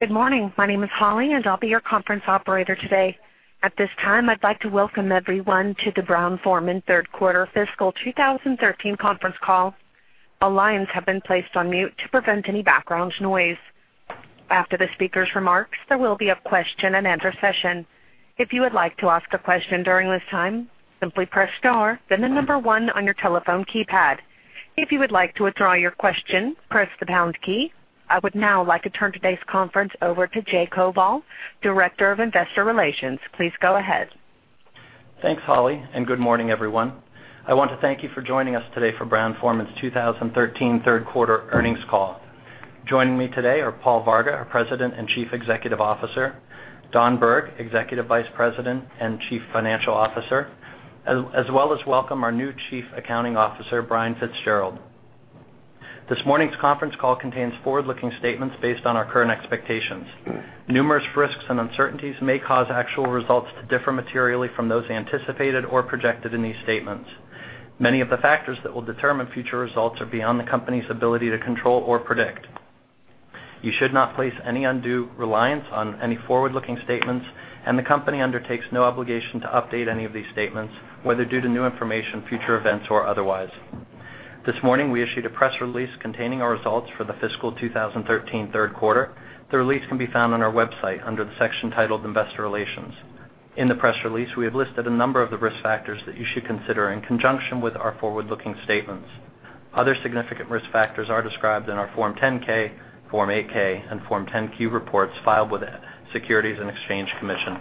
Good morning. My name is Holly, and I'll be your conference operator today. At this time, I'd like to welcome everyone to the Brown-Forman third quarter fiscal 2013 conference call. All lines have been placed on mute to prevent any background noise. After the speakers' remarks, there will be a question and answer session. If you would like to ask a question during this time, simply press star, then the number 1 on your telephone keypad. If you would like to withdraw your question, press the pound key. I would now like to turn today's conference over to Jay Koval, Director of Investor Relations. Please go ahead. Thanks, Holly. Good morning, everyone. I want to thank you for joining us today for Brown-Forman's 2013 third quarter earnings call. Joining me today are Paul Varga, our President and Chief Executive Officer, Don Berg, Executive Vice President and Chief Financial Officer, as well as welcome our new Chief Accounting Officer, Brian Fitzgerald. This morning's conference call contains forward-looking statements based on our current expectations. Numerous risks and uncertainties may cause actual results to differ materially from those anticipated or projected in these statements. Many of the factors that will determine future results are beyond the company's ability to control or predict. You should not place any undue reliance on any forward-looking statements, and the company undertakes no obligation to update any of these statements, whether due to new information, future events, or otherwise. This morning, we issued a press release containing our results for the fiscal 2013 third quarter. The release can be found on our website under the section titled Investor Relations. In the press release, we have listed a number of the risk factors that you should consider in conjunction with our forward-looking statements. Other significant risk factors are described in our Form 10-K, Form 8-K, and Form 10-Q reports filed with the Securities and Exchange Commission.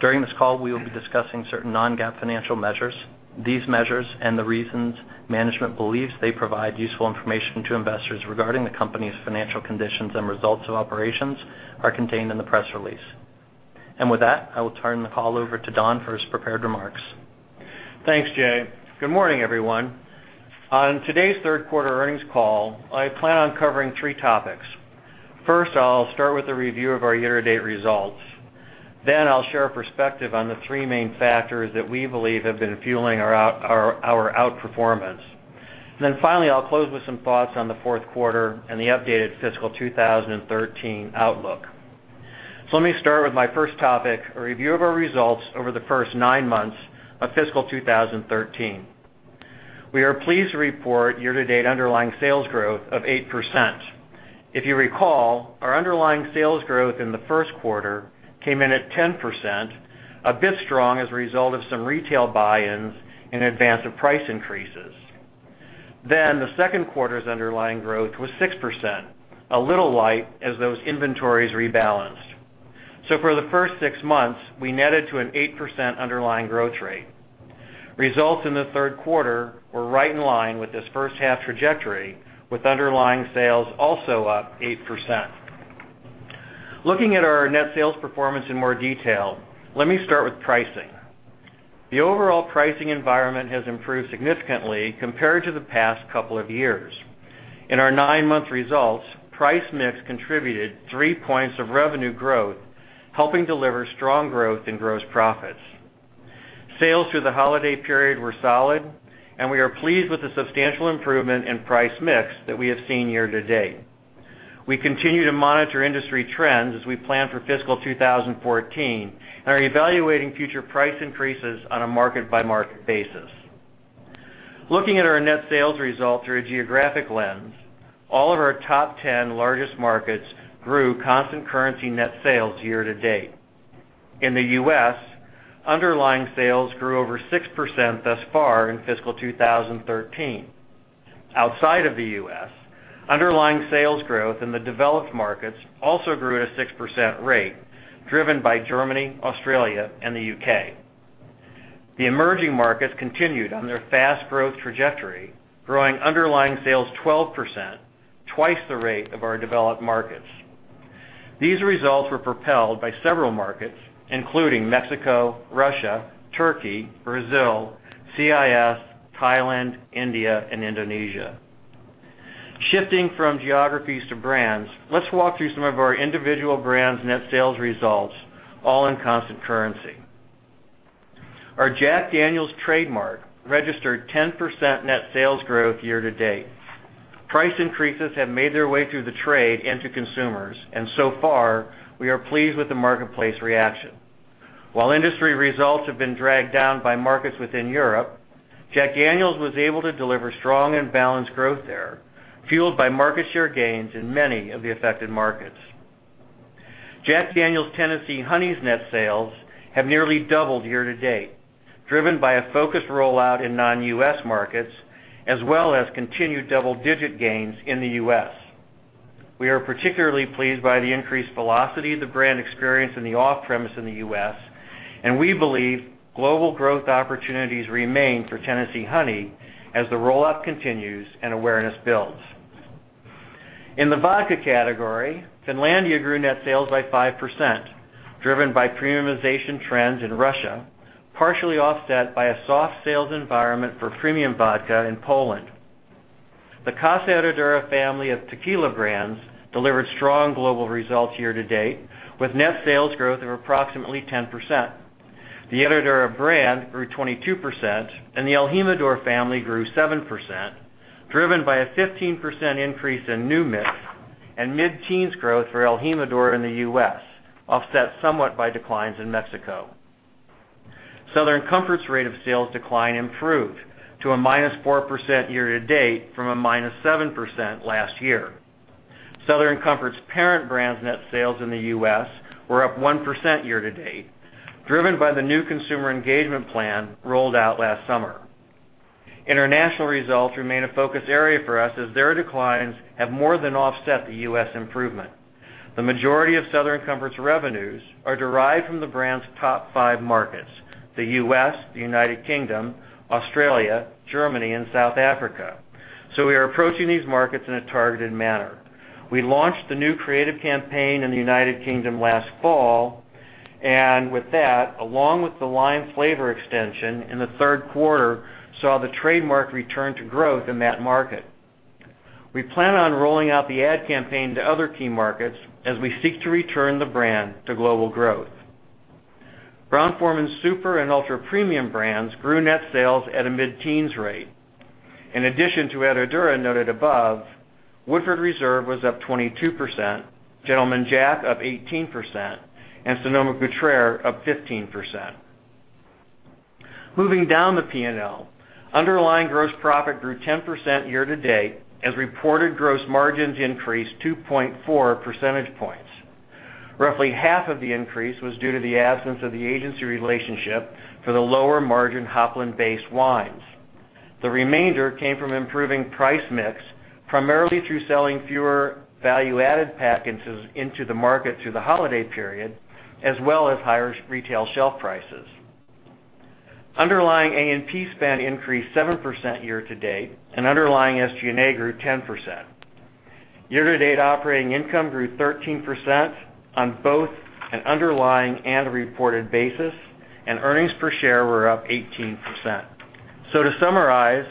During this call, we will be discussing certain non-GAAP financial measures. These measures and the reasons management believes they provide useful information to investors regarding the company's financial conditions and results of operations are contained in the press release. With that, I will turn the call over to Don for his prepared remarks. Thanks, Jay. Good morning, everyone. On today's third quarter earnings call, I plan on covering three topics. First, I'll start with a review of our year-to-date results. I'll share a perspective on the three main factors that we believe have been fueling our outperformance. Finally, I'll close with some thoughts on the fourth quarter and the updated fiscal 2013 outlook. Let me start with my first topic, a review of our results over the first nine months of fiscal 2013. We are pleased to report year-to-date underlying sales growth of 8%. If you recall, our underlying sales growth in the first quarter came in at 10%, a bit strong as a result of some retail buy-ins in advance of price increases. The second quarter's underlying growth was 6%, a little light as those inventories rebalanced. For the first six months, we netted to an 8% underlying growth rate. Results in the third quarter were right in line with this first half trajectory, with underlying sales also up 8%. Looking at our net sales performance in more detail, let me start with pricing. The overall pricing environment has improved significantly compared to the past couple of years. In our nine-month results, price mix contributed three points of revenue growth, helping deliver strong growth in gross profits. Sales through the holiday period were solid, and we are pleased with the substantial improvement in price mix that we have seen year to date. We continue to monitor industry trends as we plan for fiscal 2014 and are evaluating future price increases on a market-by-market basis. Looking at our net sales results through a geographic lens, all of our top 10 largest markets grew constant currency net sales year to date. In the U.S., underlying sales grew over 6% thus far in fiscal 2013. Outside of the U.S., underlying sales growth in the developed markets also grew at a 6% rate, driven by Germany, Australia, and the U.K. The emerging markets continued on their fast growth trajectory, growing underlying sales 12%, twice the rate of our developed markets. These results were propelled by several markets, including Mexico, Russia, Turkey, Brazil, CIS, Thailand, India, and Indonesia. Shifting from geographies to brands, let's walk through some of our individual brands' net sales results, all in constant currency. Our Jack Daniel's trademark registered 10% net sales growth year to date. Price increases have made their way through the trade and to consumers. So far, we are pleased with the marketplace reaction. While industry results have been dragged down by markets within Europe, Jack Daniel's was able to deliver strong and balanced growth there, fueled by market share gains in many of the affected markets. Jack Daniel's Tennessee Honey's net sales have nearly doubled year to date, driven by a focused rollout in non-U.S. markets, as well as continued double-digit gains in the U.S. We are particularly pleased by the increased velocity the brand experienced in the off-premise in the U.S., and we believe global growth opportunities remain for Tennessee Honey as the rollout continues and awareness builds. In the vodka category, Finlandia grew net sales by 5%, driven by premiumization trends in Russia, partially offset by a soft sales environment for premium vodka in Poland. The Casa Herradura family of tequila brands delivered strong global results year to date, with net sales growth of approximately 10%. The Herradura brand grew 22%, and the el Jimador family grew 7%, driven by a 15% increase in New Mix and mid-teens growth for el Jimador in the U.S., offset somewhat by declines in Mexico. Southern Comfort's rate of sales decline improved to a -4% year-to-date from a -7% last year. Southern Comfort's parent brand's net sales in the U.S. were up 1% year-to-date, driven by the new consumer engagement plan rolled out last summer. International results remain a focus area for us as their declines have more than offset the U.S. improvement. The majority of Southern Comfort's revenues are derived from the brand's top five markets: the U.S., the United Kingdom, Australia, Germany, and South Africa. We are approaching these markets in a targeted manner. We launched the new creative campaign in the U.K. last fall. With that, along with the lime flavor extension in the third quarter, saw the trademark return to growth in that market. We plan on rolling out the ad campaign to other key markets as we seek to return the brand to global growth. Brown-Forman's super and ultra-premium brands grew net sales at a mid-teens rate. In addition to Herradura noted above, Woodford Reserve was up 22%, Gentleman Jack up 18%, and Sonoma-Cutrer up 15%. Moving down the P&L, underlying gross profit grew 10% year-to-date as reported gross margins increased 2.4 percentage points. Roughly half of the increase was due to the absence of the agency relationship for the lower-margin Hopland-based wines. The remainder came from improving price mix, primarily through selling fewer value-added packages into the market through the holiday period, as well as higher retail shelf prices. Underlying A&P spend increased 7% year-to-date. Underlying SG&A grew 10%. Year-to-date operating income grew 13% on both an underlying and reported basis. Earnings per share were up 18%. To summarize,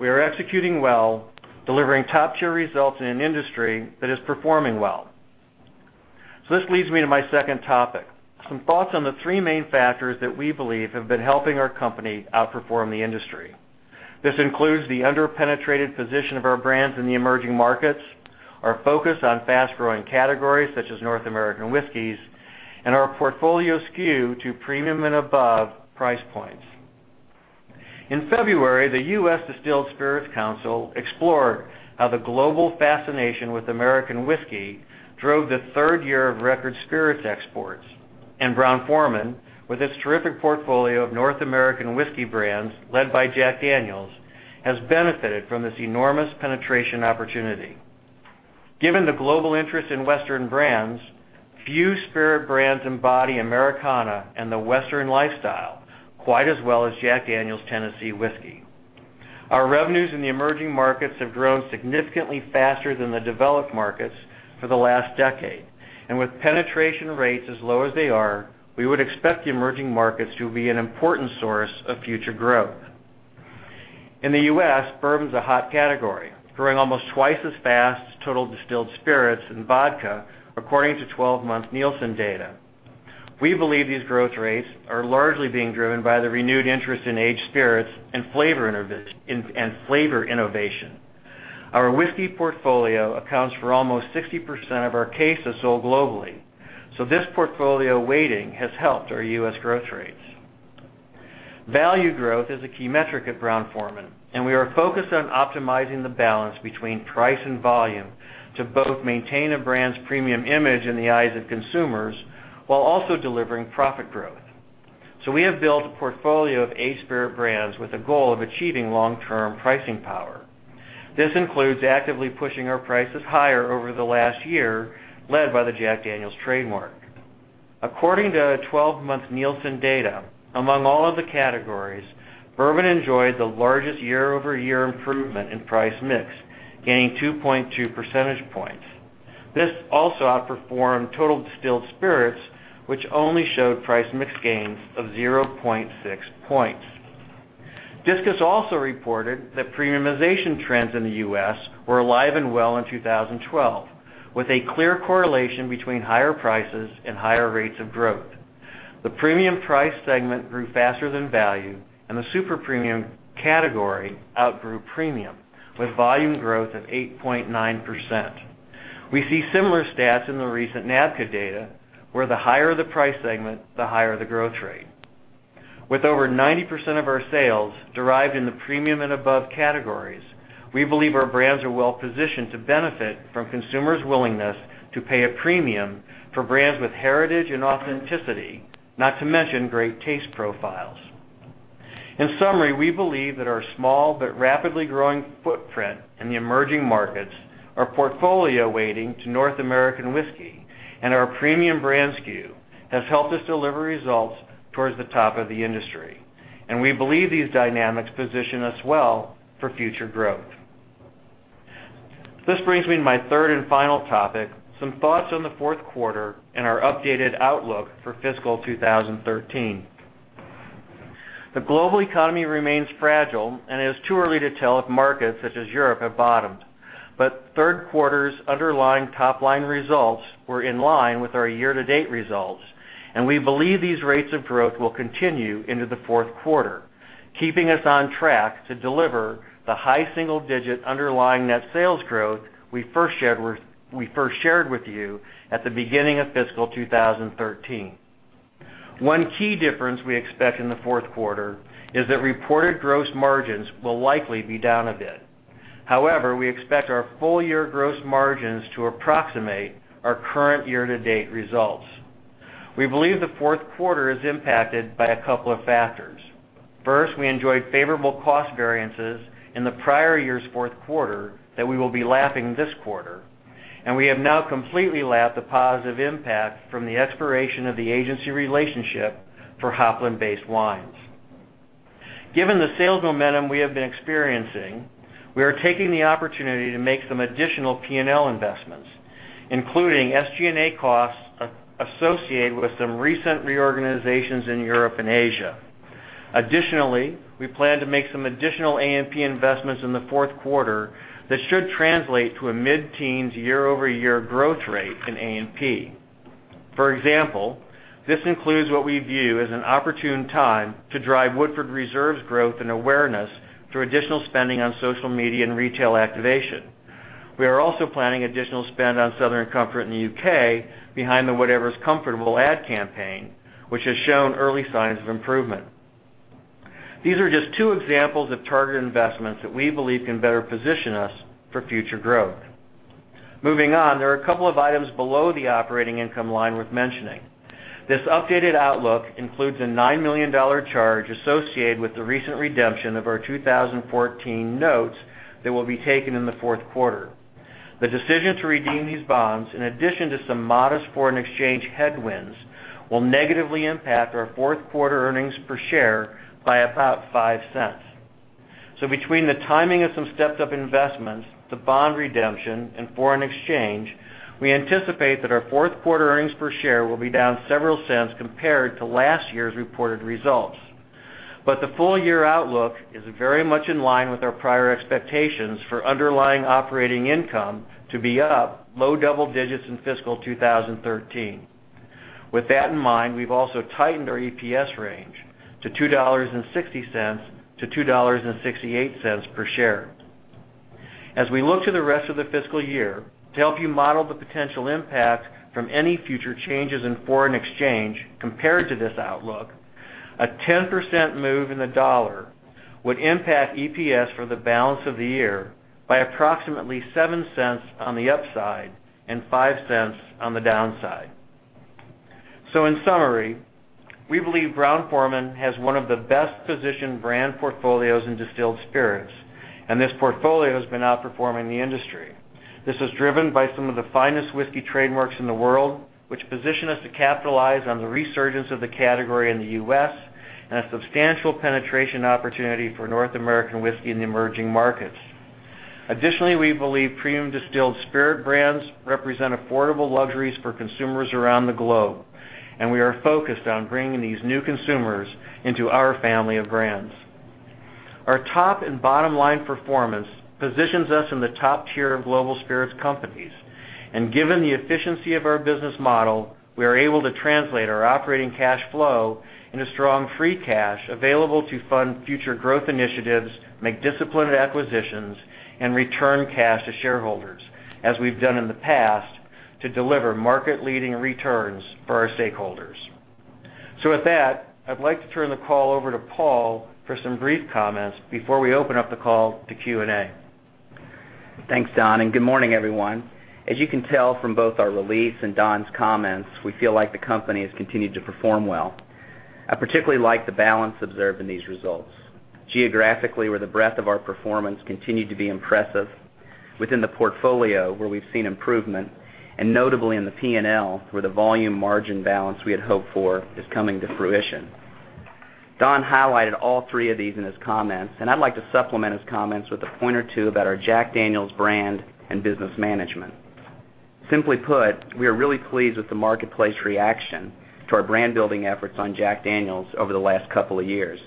we are executing well, delivering top-tier results in an industry that is performing well. This leads me to my second topic, some thoughts on the three main factors that we believe have been helping our company outperform the industry. This includes the under-penetrated position of our brands in the emerging markets, our focus on fast-growing categories such as North American whiskeys, and our portfolio skew to premium and above price points. In February, the U.S. Distilled Spirits Council explored how the global fascination with American whiskey drove the third year of record spirits exports. Brown-Forman, with its terrific portfolio of North American whiskey brands led by Jack Daniel's, has benefited from this enormous penetration opportunity. Given the global interest in Western brands, few spirit brands embody Americana and the Western lifestyle quite as well as Jack Daniel's Tennessee Whiskey. Our revenues in the emerging markets have grown significantly faster than the developed markets for the last decade. With penetration rates as low as they are, we would expect the emerging markets to be an important source of future growth. In the U.S., bourbon's a hot category, growing almost twice as fast as total distilled spirits and vodka, according to 12-month Nielsen data. We believe these growth rates are largely being driven by the renewed interest in aged spirits and flavor innovation. Our whiskey portfolio accounts for almost 60% of our cases sold globally. This portfolio weighting has helped our U.S. growth rates. Value growth is a key metric at Brown-Forman. We are focused on optimizing the balance between price and volume to both maintain a brand's premium image in the eyes of consumers while also delivering profit growth. We have built a portfolio of eight spirit brands with a goal of achieving long-term pricing power. This includes actively pushing our prices higher over the last year, led by the Jack Daniel's trademark. According to 12-month Nielsen data, among all of the categories, bourbon enjoyed the largest year-over-year improvement in price mix, gaining 2.2 percentage points. This also outperformed total distilled spirits, which only showed price mix gains of 0.6 points. DISCUS also reported that premiumization trends in the U.S. were alive and well in 2012, with a clear correlation between higher prices and higher rates of growth. The premium price segment grew faster than value, and the super premium category outgrew premium, with volume growth of 8.9%. We see similar stats in the recent NABCA data, where the higher the price segment, the higher the growth rate. With over 90% of our sales derived in the premium and above categories, we believe our brands are well positioned to benefit from consumers' willingness to pay a premium for brands with heritage and authenticity, not to mention great taste profiles. In summary, we believe that our small but rapidly growing footprint in the emerging markets, our portfolio weighting to North American whiskey, and our premium brand SKU has helped us deliver results towards the top of the industry. We believe these dynamics position us well for future growth. This brings me to my third and final topic, some thoughts on the fourth quarter and our updated outlook for fiscal 2013. The global economy remains fragile, and it is too early to tell if markets such as Europe have bottomed. Third quarter's underlying top-line results were in line with our year-to-date results, and we believe these rates of growth will continue into the fourth quarter, keeping us on track to deliver the high single-digit underlying net sales growth we first shared with you at the beginning of fiscal 2013. One key difference we expect in the fourth quarter is that reported gross margins will likely be down a bit. However, we expect our full-year gross margins to approximate our current year-to-date results. We believe the fourth quarter is impacted by a couple of factors. First, we enjoyed favorable cost variances in the prior year's fourth quarter that we will be lapping this quarter, and we have now completely lapped the positive impact from the expiration of the agency relationship for Hopland-based wines. Given the sales momentum we have been experiencing, we are taking the opportunity to make some additional P&L investments, including SG&A costs associated with some recent reorganizations in Europe and Asia. Additionally, we plan to make some additional A&P investments in the fourth quarter that should translate to a mid-teens year-over-year growth rate in A&P. For example, this includes what we view as an opportune time to drive Woodford Reserve's growth and awareness through additional spending on social media and retail activation. We are also planning additional spend on Southern Comfort in the U.K. behind the Whatever's Comfortable ad campaign, which has shown early signs of improvement. These are just two examples of targeted investments that we believe can better position us for future growth. Moving on, there are a couple of items below the operating income line worth mentioning. This updated outlook includes a $9 million charge associated with the recent redemption of our 2014 notes that will be taken in the fourth quarter. The decision to redeem these bonds, in addition to some modest foreign exchange headwinds, will negatively impact our fourth quarter earnings per share by about $0.05. Between the timing of some stepped-up investments, the bond redemption, and foreign exchange, we anticipate that our fourth quarter earnings per share will be down several cents compared to last year's reported results. The full-year outlook is very much in line with our prior expectations for underlying operating income to be up low double digits in fiscal 2013. With that in mind, we've also tightened our EPS range to $2.60-$2.68 per share. As we look to the rest of the fiscal year to help you model the potential impact from any future changes in foreign exchange compared to this outlook, a 10% move in the dollar would impact EPS for the balance of the year by approximately $0.07 on the upside and $0.05 on the downside. In summary, we believe Brown-Forman has one of the best-positioned brand portfolios in distilled spirits, and this portfolio has been outperforming the industry. This is driven by some of the finest whiskey trademarks in the world, which position us to capitalize on the resurgence of the category in the U.S. and a substantial penetration opportunity for North American whiskey in the emerging markets. Additionally, we believe premium distilled spirit brands represent affordable luxuries for consumers around the globe, and we are focused on bringing these new consumers into our family of brands. Our top and bottom line performance positions us in the top tier of global spirits companies, and given the efficiency of our business model, we are able to translate our operating cash flow into strong free cash available to fund future growth initiatives, make disciplined acquisitions, and return cash to shareholders, as we've done in the past to deliver market-leading returns for our stakeholders. With that, I'd like to turn the call over to Paul for some brief comments before we open up the call to Q&A. Thanks, Don, good morning, everyone. As you can tell from both our release and Don's comments, we feel like the company has continued to perform well. I particularly like the balance observed in these results. Geographically, where the breadth of our performance continued to be impressive, within the portfolio, where we've seen improvement, and notably in the P&L, where the volume margin balance we had hoped for is coming to fruition. Don highlighted all three of these in his comments, and I'd like to supplement his comments with a point or two about our Jack Daniel's brand and business management. Simply put, we are really pleased with the marketplace reaction to our brand-building efforts on Jack Daniel's over the last couple of years.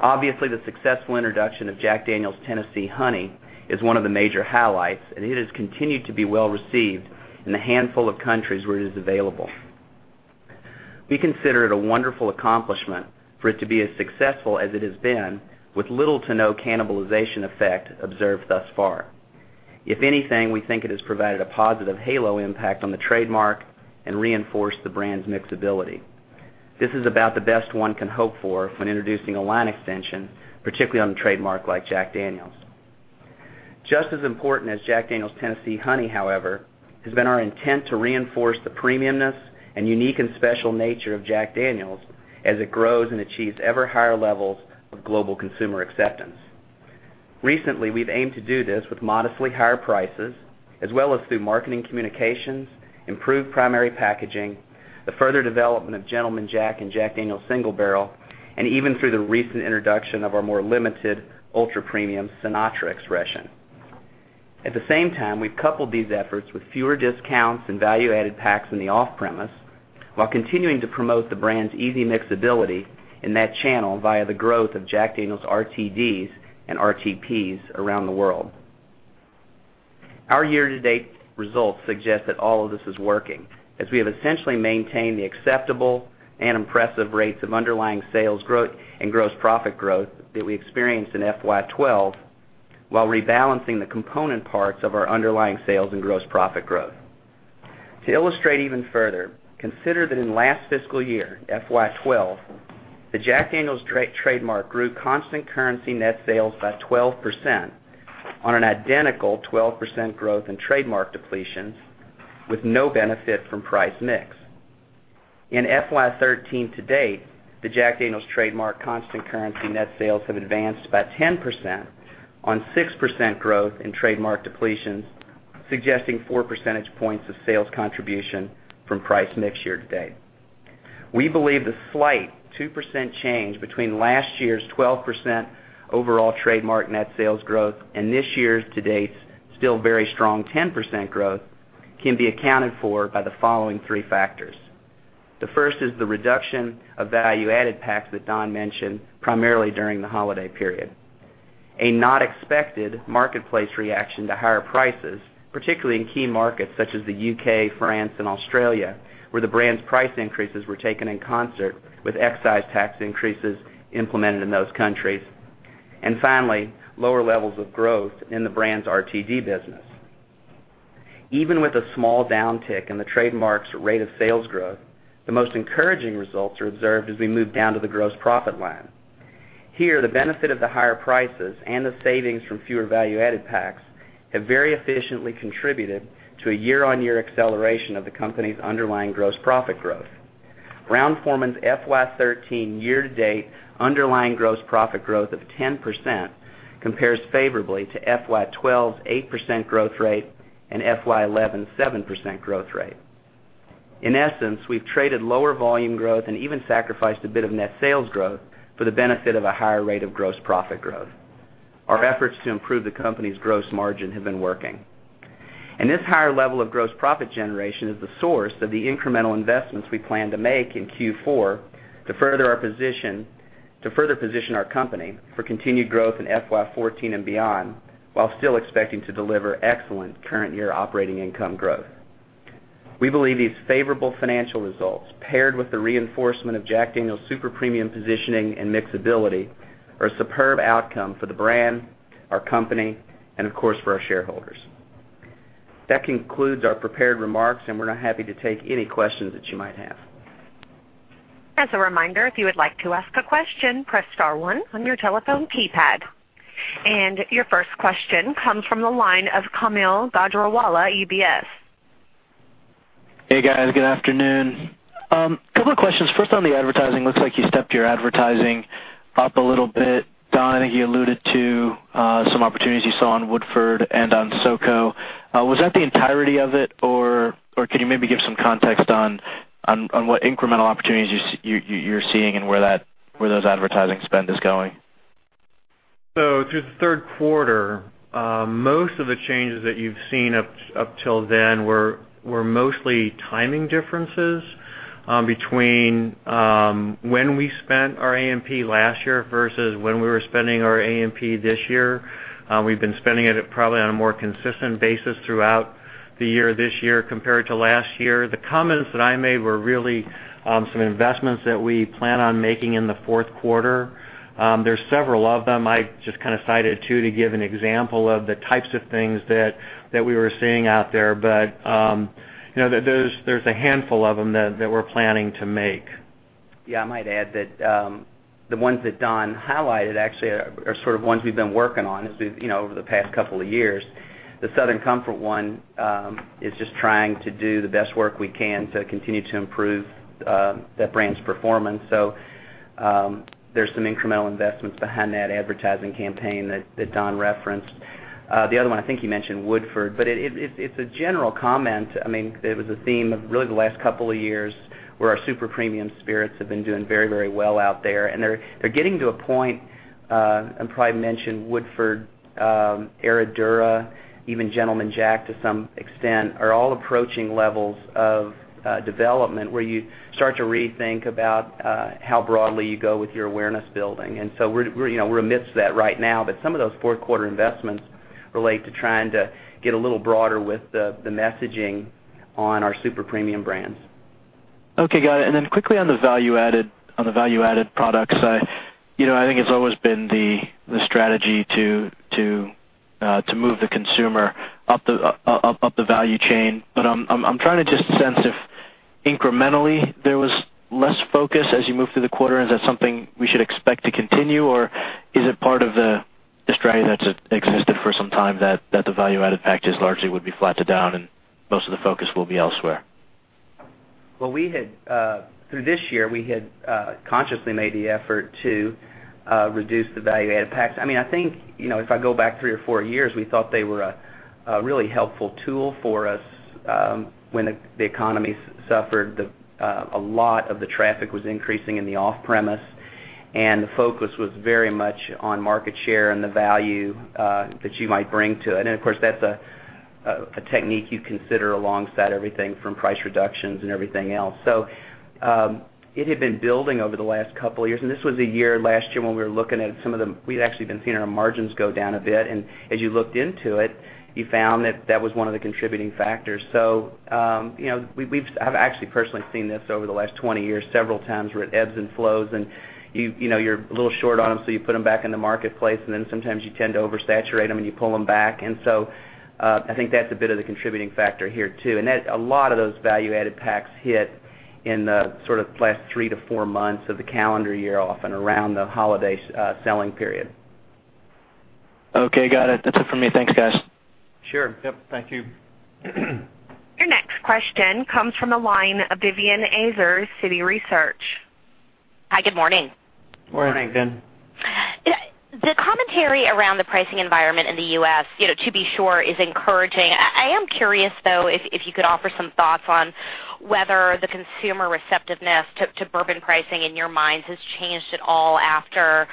Obviously, the successful introduction of Jack Daniel's Tennessee Honey is one of the major highlights, and it has continued to be well-received in the handful of countries where it is available. We consider it a wonderful accomplishment for it to be as successful as it has been, with little to no cannibalization effect observed thus far. If anything, we think it has provided a positive halo impact on the trademark and reinforced the brand's mixability. This is about the best one can hope for when introducing a line extension, particularly on a trademark like Jack Daniel's. Just as important as Jack Daniel's Tennessee Honey, however, has been our intent to reinforce the premiumness and unique and special nature of Jack Daniel's as it grows and achieves ever higher levels of global consumer acceptance. Recently, we've aimed to do this with modestly higher prices as well as through marketing communications, improved primary packaging, the further development of Gentleman Jack and Jack Daniel's Single Barrel, and even through the recent introduction of our more limited ultra-premium Sinatra expression. At the same time, we've coupled these efforts with fewer discounts and value-added packs in the off-premise, while continuing to promote the brand's easy mixability in that channel via the growth of Jack Daniel's RTDs and RTPs around the world. Our year-to-date results suggest that all of this is working, as we have essentially maintained the acceptable and impressive rates of underlying sales growth and gross profit growth that we experienced in FY 2012, while rebalancing the component parts of our underlying sales and gross profit growth. To illustrate even further, consider that in last fiscal year, FY 2012, the Jack Daniel's trademark grew constant currency net sales by 12% on an identical 12% growth in trademark depletions, with no benefit from price mix. In FY 2013 to date, the Jack Daniel's trademark constant currency net sales have advanced by 10% on 6% growth in trademark depletions, suggesting four percentage points of sales contribution from price mix year to date. We believe the slight 2% change between last year's 12% overall trademark net sales growth and this year's to date still very strong 10% growth can be accounted for by the following three factors. The first is the reduction of value-added packs that Don mentioned, primarily during the holiday period. A not expected marketplace reaction to higher prices, particularly in key markets such as the U.K., France, and Australia, where the brand's price increases were taken in concert with excise tax increases implemented in those countries. Finally, lower levels of growth in the brand's RTD business. Even with a small downtick in the trademark's rate of sales growth, the most encouraging results are observed as we move down to the gross profit line. Here, the benefit of the higher prices and the savings from fewer value-added packs have very efficiently contributed to a year-on-year acceleration of the company's underlying gross profit growth. Brown-Forman's FY 2013 year-to-date underlying gross profit growth of 10% compares favorably to FY 2012 8% growth rate and FY 2011 7% growth rate. In essence, we've traded lower volume growth and even sacrificed a bit of net sales growth for the benefit of a higher rate of gross profit growth. Our efforts to improve the company's gross margin have been working. This higher level of gross profit generation is the source of the incremental investments we plan to make in Q4 to further position our company for continued growth in FY 2014 and beyond, while still expecting to deliver excellent current year operating income growth. We believe these favorable financial results, paired with the reinforcement of Jack Daniel's super premium positioning and mixability, are a superb outcome for the brand, our company, and of course, for our shareholders. That concludes our prepared remarks, and we're now happy to take any questions that you might have. As a reminder, if you would like to ask a question, press *1 on your telephone keypad. Your first question comes from the line of Kaumil Gajrawala, UBS. Hey, guys. Good afternoon. Couple of questions. First, on the advertising, looks like you stepped your advertising up a little bit. Don, I think you alluded to some opportunities you saw on Woodford and on SoCo. Was that the entirety of it, or can you maybe give some context on what incremental opportunities you're seeing and where that advertising spend is going? Through the third quarter, most of the changes that you've seen up till then were mostly timing differences between when we spent our A&P last year versus when we were spending our A&P this year. We've been spending it probably on a more consistent basis throughout the year, this year compared to last year. The comments that I made were really some investments that we plan on making in the fourth quarter. There's several of them. I just cited two to give an example of the types of things that we were seeing out there. There's a handful of them that we're planning to make. Yeah, I might add that the ones that Don highlighted actually are ones we've been working on over the past couple of years. The Southern Comfort one is just trying to do the best work we can to continue to improve that brand's performance. There's some incremental investments behind that advertising campaign that Don referenced. The other one, I think he mentioned Woodford. It's a general comment. It was a theme of really the last couple of years where our super premium spirits have been doing very well out there, and they're getting to a point, and probably mention Woodford, Herradura, even Gentleman Jack to some extent, are all approaching levels of development where you start to rethink about how broadly you go with your awareness building. We're amidst that right now. Some of those fourth-quarter investments relate to trying to get a little broader with the messaging on our super premium brands. Okay, got it. Then quickly on the value-added products. I think it's always been the strategy to move the consumer up the value chain. I'm trying to just sense if incrementally there was less focus as you move through the quarter. Is that something we should expect to continue, or is it part of the strategy that's existed for some time that the value-added packages largely would be flat to down and most of the focus will be elsewhere? Well, through this year, we had consciously made the effort to reduce the value-added packs. I think, if I go back three or four years, we thought they were a really helpful tool for us when the economy suffered, a lot of the traffic was increasing in the off-premise. The focus was very much on market share and the value that you might bring to it. Of course, that's a technique you consider alongside everything from price reductions and everything else. It had been building over the last couple of years, and this was a year, last year, when We'd actually been seeing our margins go down a bit, and as you looked into it, you found that that was one of the contributing factors. I've actually personally seen this over the last 20 years, several times, where it ebbs and flows, and you're a little short on them, so you put them back in the marketplace, then sometimes you tend to oversaturate them, and you pull them back. I think that's a bit of the contributing factor here, too. A lot of those value-added packs hit in the last three to four months of the calendar year, often around the holiday selling period. Okay, got it. That's it for me. Thanks, guys. Sure. Yep, thank you. Your next question comes from the line of Vivien Azer, Citi Research. Hi, good morning. Morning. Morning. The commentary around the pricing environment in the U.S., to be sure, is encouraging. I am curious, though, if you could offer some thoughts on whether the consumer receptiveness to bourbon pricing in your minds has changed at all after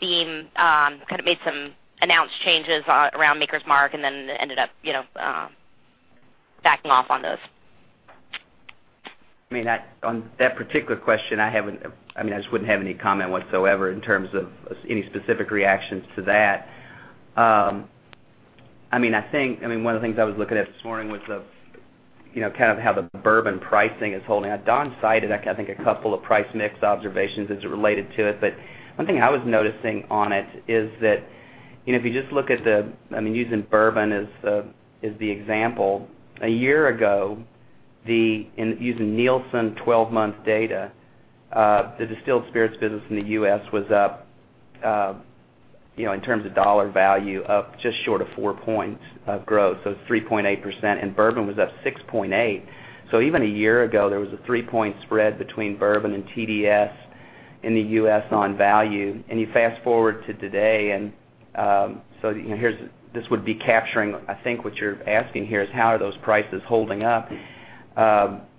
Beam announced changes around Maker's Mark and then ended up backing off on those. On that particular question, I just wouldn't have any comment whatsoever in terms of any specific reactions to that. One of the things I was looking at this morning was how the bourbon pricing is holding. Don cited, I think, a couple of price mix observations as it related to it. One thing I was noticing on it is that, if you just look at the, I'm using bourbon as the example. A year ago, using Nielsen 12-month data, the distilled spirits business in the U.S. was up, in terms of dollar value, up just short of four points of growth. 3.8%, and bourbon was up 6.8%. Even a year ago, there was a three-point spread between bourbon and TDS in the U.S. on value. You fast-forward to today, and this would be capturing, I think what you're asking here is how are those prices holding up?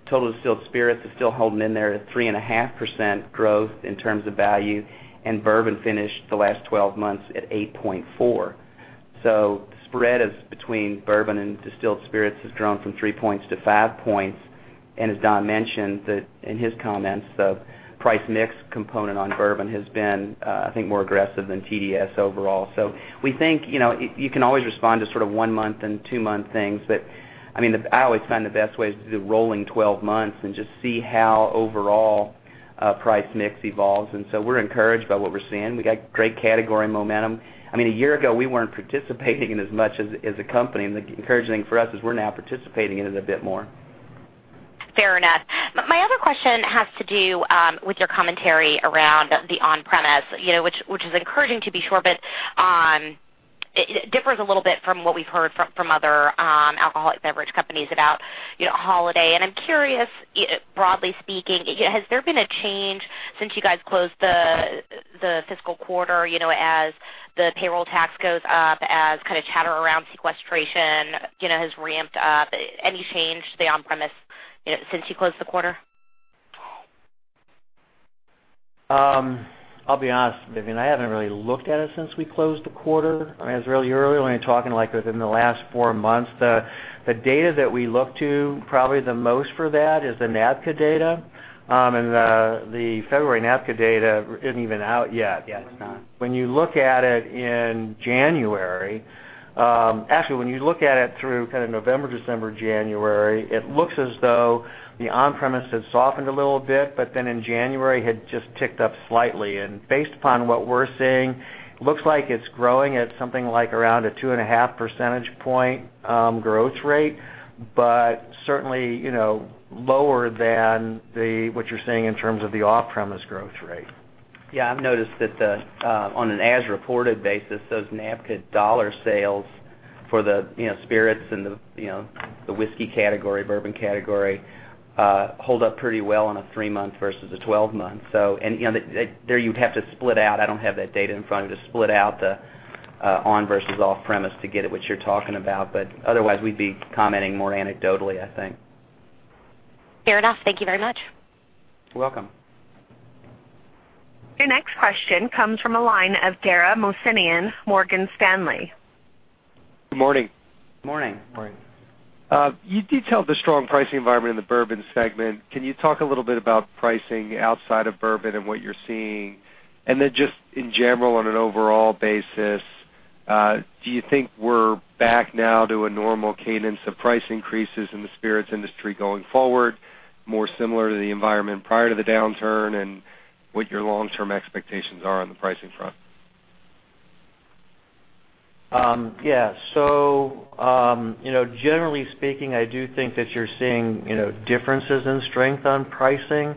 Total distilled spirits is still holding in there at 3.5% growth in terms of value, and bourbon finished the last 12 months at 8.4%. The spread between bourbon and distilled spirits has grown from three points to five points. As Don mentioned in his comments, the price mix component on bourbon has been, I think, more aggressive than TDS overall. We think, you can always respond to one-month and two-month things, but I always find the best way is to do rolling 12 months and just see how overall price mix evolves. We're encouraged by what we're seeing. We got great category momentum. A year ago, we weren't participating in as much as a company, the encouraging thing for us is we're now participating in it a bit more. Fair enough. My other question has to do with your commentary around the on-premise, which is encouraging, to be sure, but it differs a little bit from what we've heard from other alcoholic beverage companies about holiday. I'm curious, broadly speaking, has there been a change since you guys closed the fiscal quarter, as the payroll tax goes up, as chatter around sequestration has ramped up? Any change to the on-premise since you closed the quarter? I'll be honest, Vivien, I haven't really looked at it since we closed the quarter. You're only talking, like, within the last four months. The data that we look to probably the most for that is the NABCA data, and the February NABCA data isn't even out yet. Yeah, it's not. When you look at it in January, actually, when you look at it through November, December, January, it looks as though the on-premise had softened a little bit, but then in January, had just ticked up slightly. Based upon what we're seeing, looks like it's growing at something like around a two and a half percentage point growth rate, but certainly, lower than what you're seeing in terms of the off-premise growth rate. Yeah, I've noticed that on an as-reported basis, those NABCA dollar sales for the spirits and the whiskey category, bourbon category, hold up pretty well on a three-month versus a 12-month. There, you'd have to split out, I don't have that data in front of me, to split out the on versus off-premise to get at what you're talking about. But otherwise, we'd be commenting more anecdotally, I think. Fair enough. Thank you very much. You're welcome. Your next question comes from the line of Dara Mohsenian, Morgan Stanley. Good morning. Morning. Morning. You detailed the strong pricing environment in the bourbon segment. Can you talk a little bit about pricing outside of bourbon and what you're seeing? Just in general, on an overall basis, do you think we're back now to a normal cadence of price increases in the spirits industry going forward, more similar to the environment prior to the downturn, and what your long-term expectations are on the pricing front? Yeah. Generally speaking, I do think that you're seeing differences in strength on pricing.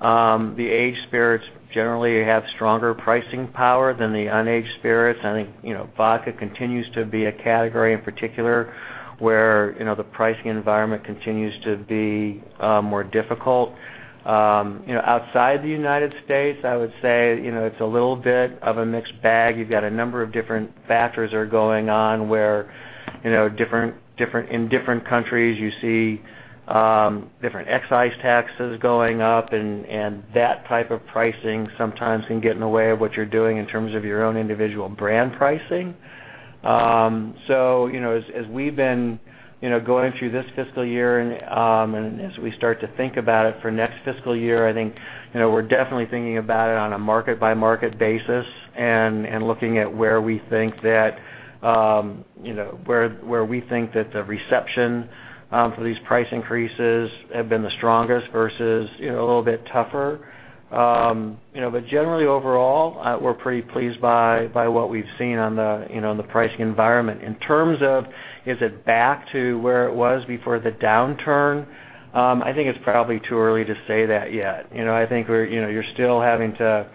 The aged spirits generally have stronger pricing power than the unaged spirits. I think vodka continues to be a category in particular where the pricing environment continues to be more difficult. Outside the United States, I would say it's a little bit of a mixed bag. You've got a number of different factors are going on where in different countries, you see different excise taxes going up, and that type of pricing sometimes can get in the way of what you're doing in terms of your own individual brand pricing. As we've been going through this fiscal year, and as we start to think about it for next fiscal year, I think we're definitely thinking about it on a market-by-market basis, and looking at where we think that the reception for these price increases have been the strongest versus a little bit tougher. Generally, overall, we're pretty pleased by what we've seen on the pricing environment. In terms of, is it back to where it was before the downturn? I think it's probably too early to say that yet. I think you're still having to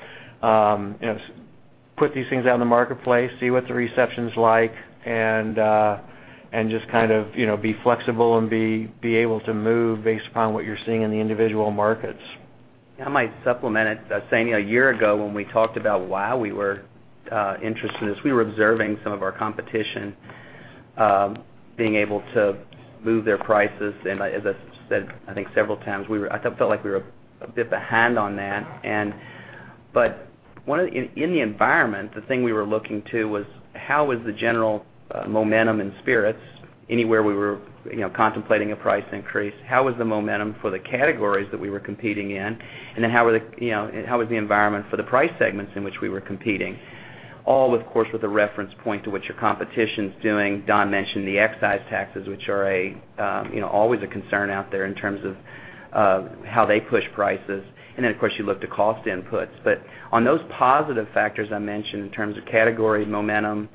put these things out in the marketplace, see what the reception's like, and just kind of be flexible and be able to move based upon what you're seeing in the individual markets. I might supplement it, saying a year ago, when we talked about why we were interested in this, we were observing some of our competition being able to move their prices, and as I said, I think several times, I felt like we were a bit behind on that. In the environment, the thing we were looking to was how was the general momentum in spirits anywhere we were contemplating a price increase. How was the momentum for the categories that we were competing in, and then how was the environment for the price segments in which we were competing? All, of course, with a reference point to what your competition's doing. Don mentioned the excise taxes, which are always a concern out there in terms of how they push prices. Of course, you look to cost inputs. On those positive factors I mentioned in terms of category momentum,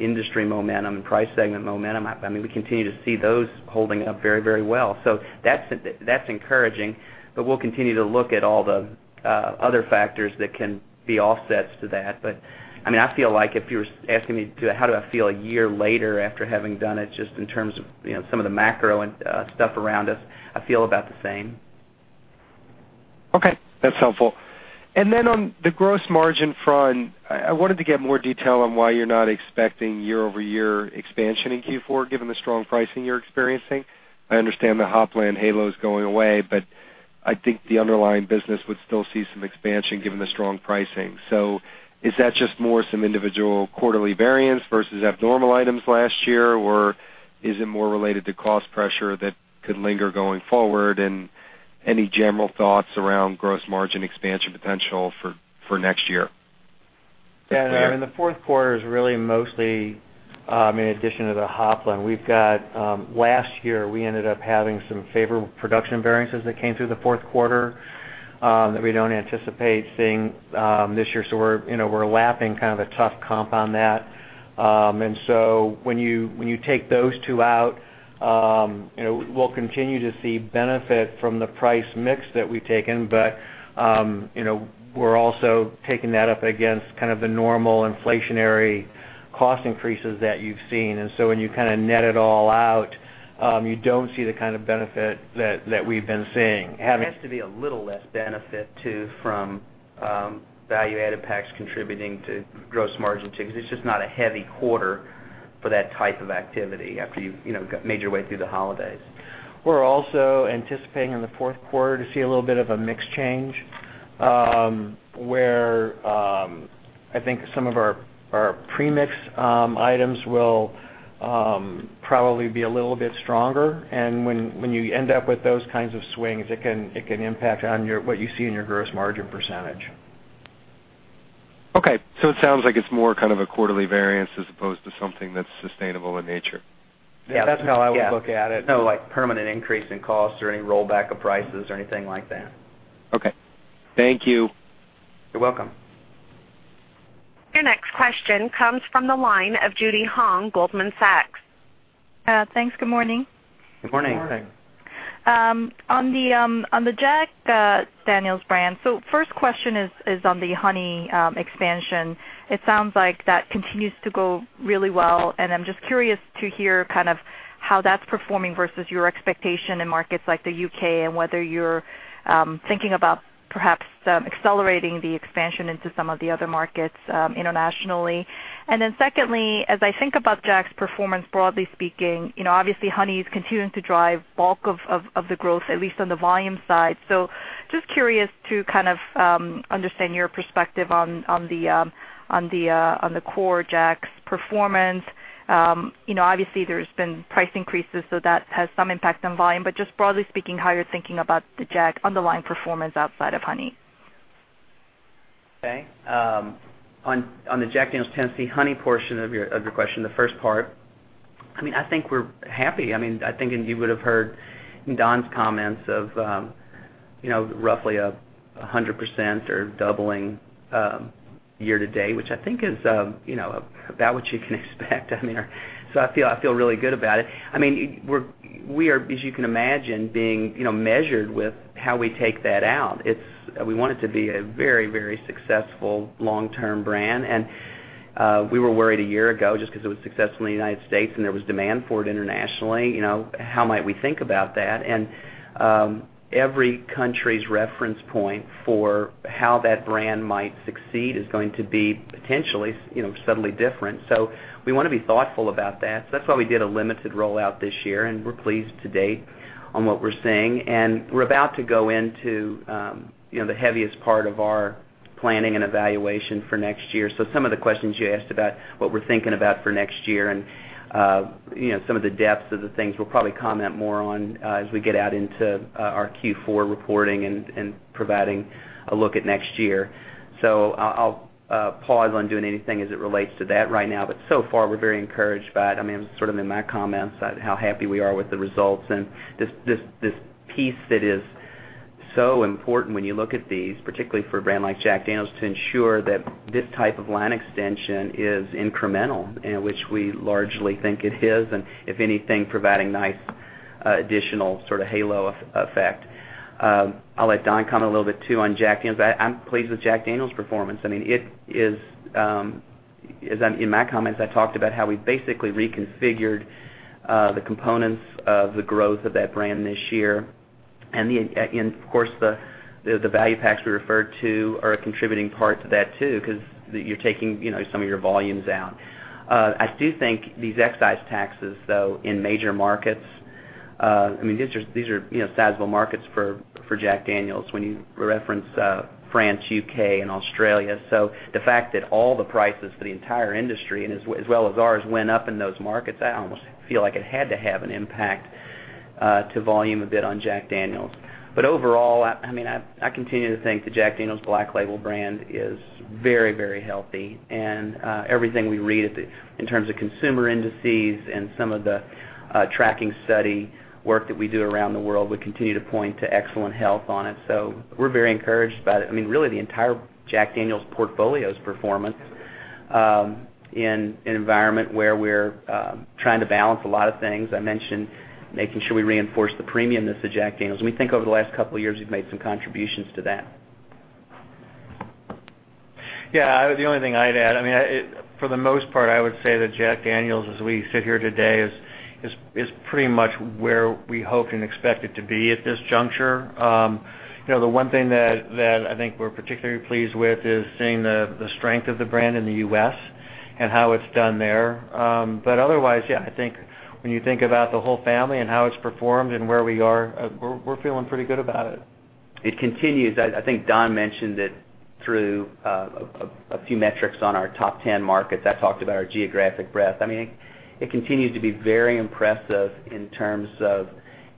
industry momentum, and price segment momentum, we continue to see those holding up very well. That's encouraging, but we'll continue to look at all the other factors that can be offsets to that. I feel like if you were asking me, how do I feel a year later after having done it, just in terms of some of the macro and stuff around us, I feel about the same. Okay. That's helpful. On the gross margin front, I wanted to get more detail on why you're not expecting year-over-year expansion in Q4, given the strong pricing you're experiencing. I understand the Hopland Halo is going away, but I think the underlying business would still see some expansion given the strong pricing. Is that just more some individual quarterly variance versus abnormal items last year, or is it more related to cost pressure that could linger going forward? Any general thoughts around gross margin expansion potential for next year? Yeah. In the fourth quarter is really mostly in addition to the Hopland. Last year, we ended up having some favorable production variances that came through the fourth quarter that we don't anticipate seeing this year. We're lapping kind of a tough comp on that. When you take those two out, we'll continue to see benefit from the price mix that we've taken. We're also taking that up against kind of the normal inflationary cost increases that you've seen. When you net it all out, you don't see the kind of benefit that we've been seeing. It has to be a little less benefit, too, from value-added packs contributing to gross margin, too, because it's just not a heavy quarter for that type of activity after you've made your way through the holidays. We're also anticipating in the fourth quarter to see a little bit of a mix change, where I think some of our premix items will probably be a little bit stronger. When you end up with those kinds of swings, it can impact on what you see in your gross margin percentage. Okay. It sounds like it's more kind of a quarterly variance as opposed to something that's sustainable in nature. Yeah. That's how I would look at it. No permanent increase in costs or any rollback of prices or anything like that. Okay. Thank you. You're welcome. Your next question comes from the line of Judy Hong, Goldman Sachs. Thanks. Good morning. Good morning. Good morning. On the Jack Daniel's brand, first question is on the Honey expansion. It sounds like that continues to go really well, and I'm just curious to hear how that's performing versus your expectation in markets like the U.K., and whether you're thinking about perhaps accelerating the expansion into some of the other markets internationally. Secondly, as I think about Jack's performance, broadly speaking, obviously, Honey is continuing to drive bulk of the growth, at least on the volume side. Just curious to kind of understand your perspective on the core Jack's performance. Obviously, there's been price increases, so that has some impact on volume. Just broadly speaking, how you're thinking about the Jack underlying performance outside of Honey. Okay. On the Jack Daniel's Tennessee Honey portion of your question, the first part, I think we're happy. I think, and you would've heard in Don's comments of roughly 100% or doubling year to date, which I think is about what you can expect. So I feel really good about it. We are, as you can imagine, being measured with how we take that out. We want it to be a very successful long-term brand. And we were worried a year ago, just because it was successful in the U.S., and there was demand for it internationally, how might we think about that? And every country's reference point for how that brand might succeed is going to be potentially subtly different. So we want to be thoughtful about that. So that's why we did a limited rollout this year, and we're pleased to date on what we're seeing. We're about to go into the heaviest part of our planning and evaluation for next year. Some of the questions you asked about what we're thinking about for next year and some of the depths of the things we'll probably comment more on as we get out into our Q4 reporting and providing a look at next year. I'll pause on doing anything as it relates to that right now, but so far, we're very encouraged by it. It was sort of in my comments about how happy we are with the results. And this piece that is so important when you look at these, particularly for a brand like Jack Daniel's, to ensure that this type of line extension is incremental, and which we largely think it is, and if anything, providing nice additional sort of halo effect. I'll let Don comment a little bit too on Jack Daniel's. I'm pleased with Jack Daniel's performance. In my comments, I talked about how we basically reconfigured the components of the growth of that brand this year. And of course, the value packs we referred to are a contributing part to that too, because you're taking some of your volumes down. I do think these excise taxes, though, in major markets, these are sizable markets for Jack Daniel's, when you reference France, U.K., and Australia. So the fact that all the prices for the entire industry, and as well as ours, went up in those markets, I almost feel like it had to have an impact to volume a bit on Jack Daniel's. Overall, I continue to think the Jack Daniel's Black Label brand is very healthy, and everything we read in terms of consumer indices and some of the tracking study work that we do around the world would continue to point to excellent health on it. So we're very encouraged by it. Really, the entire Jack Daniel's portfolio's performance in an environment where we're trying to balance a lot of things. I mentioned making sure we reinforce the premiumness of Jack Daniel's. We think over the last couple of years, we've made some contributions to that. The only thing I'd add, for the most part, I would say that Jack Daniel's, as we sit here today, is pretty much where we hope and expect it to be at this juncture. The one thing that I think we're particularly pleased with is seeing the strength of the brand in the U.S. and how it's done there. Otherwise, I think when you think about the whole family and how it's performed and where we are, we're feeling pretty good about it. It continues. I think Don mentioned it through a few metrics on our top 10 markets. I talked about our geographic breadth. It continues to be very impressive in terms of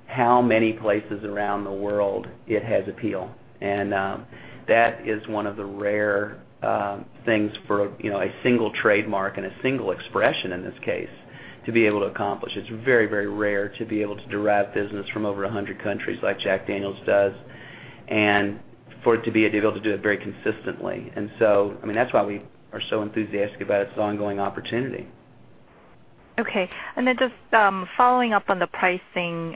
how many places around the world it has appeal. That is one of the rare things for a single trademark, and a single expression in this case, to be able to accomplish. It's very rare to be able to derive business from over 100 countries like Jack Daniel's does, and for it to be able to do it very consistently. That's why we are so enthusiastic about its ongoing opportunity. Just following up on the pricing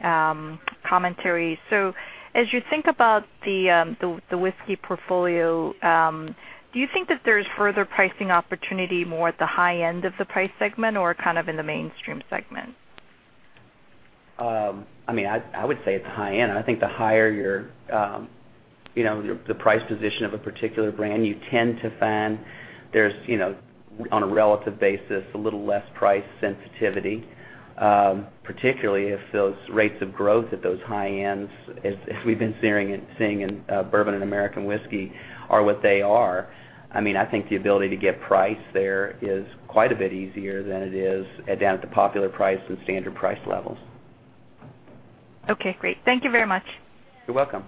commentary. As you think about the whiskey portfolio, do you think that there's further pricing opportunity more at the high end of the price segment, or kind of in the mainstream segment? I would say at the high end. I think the higher the price position of a particular brand, you tend to find there's, on a relative basis, a little less price sensitivity, particularly if those rates of growth at those high ends, as we've been seeing in bourbon and American whiskey, are what they are. I think the ability to get price there is quite a bit easier than it is down at the popular price and standard price levels. Okay, great. Thank you very much. You're welcome.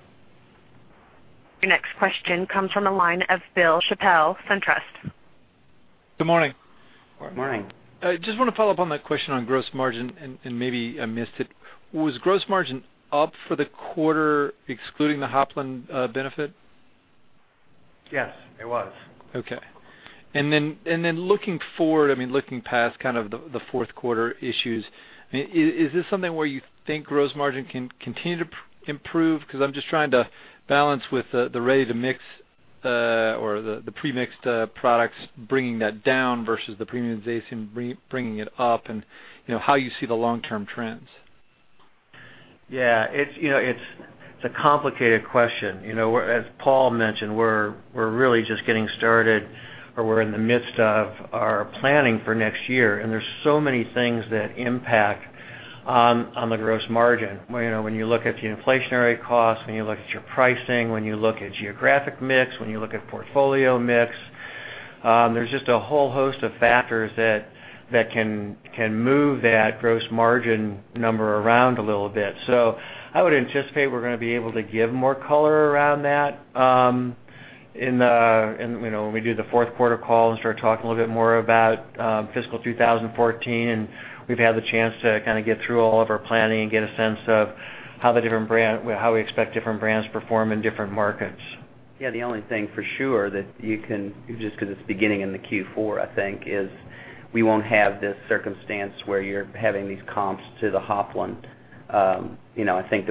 Your next question comes from the line of Bill Chappell, SunTrust. Good morning. Morning. Morning. I just want to follow up on that question on gross margin, maybe I missed it. Was gross margin up for the quarter, excluding the Hopland benefit? Yes, it was. Okay. Looking forward, looking past kind of the fourth quarter issues, is this something where you think gross margin can continue to improve? Because I'm just trying to balance with the ready-to-mix, or the pre-mixed products, bringing that down versus the premiumization bringing it up, and how you see the long-term trends. Yeah. It's a complicated question. As Paul mentioned, we're really just getting started, or we're in the midst of our planning for next year. There's so many things that impact on the gross margin. When you look at the inflationary costs, when you look at your pricing, when you look at geographic mix, when you look at portfolio mix, there's just a whole host of factors that can move that gross margin number around a little bit. I would anticipate we're going to be able to give more color around that when we do the fourth quarter call and start talking a little bit more about fiscal 2014, and we've had the chance to kind of get through all of our planning and get a sense of how we expect different brands to perform in different markets. Yeah, the only thing for sure that you can, just because it's beginning in the Q4, I think, is we won't have this circumstance where you're having these comps to the Hopland. I think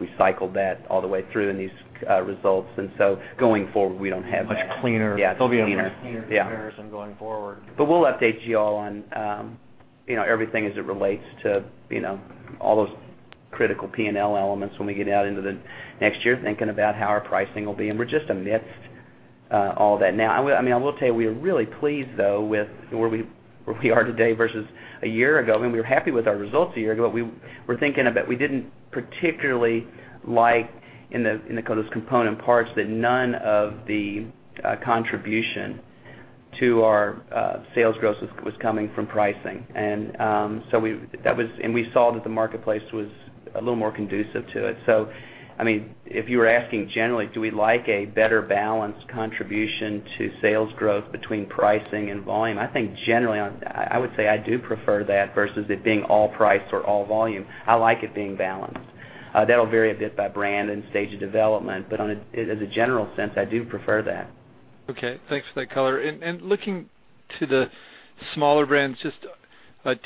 we've cycled that all the way through in these results, and so going forward, we don't have that. Much cleaner. Yeah, it's cleaner. There'll be a much cleaner comparison going forward. we'll update you all on everything as it relates to all those critical P&L elements when we get out into the next year, thinking about how our pricing will be, we're just amidst all that now. I will tell you, we are really pleased, though, with where we are today versus a year ago, we were happy with our results a year ago. We're thinking about, we didn't particularly like, in those component parts, that none of the contribution to our sales growth was coming from pricing. We saw that the marketplace was a little more conducive to it. If you were asking generally, do we like a better balanced contribution to sales growth between pricing and volume? I think generally, I would say I do prefer that versus it being all price or all volume. I like it being balanced. That'll vary a bit by brand and stage of development, but as a general sense, I do prefer that. Okay. Thanks for that color. Looking to the smaller brands, just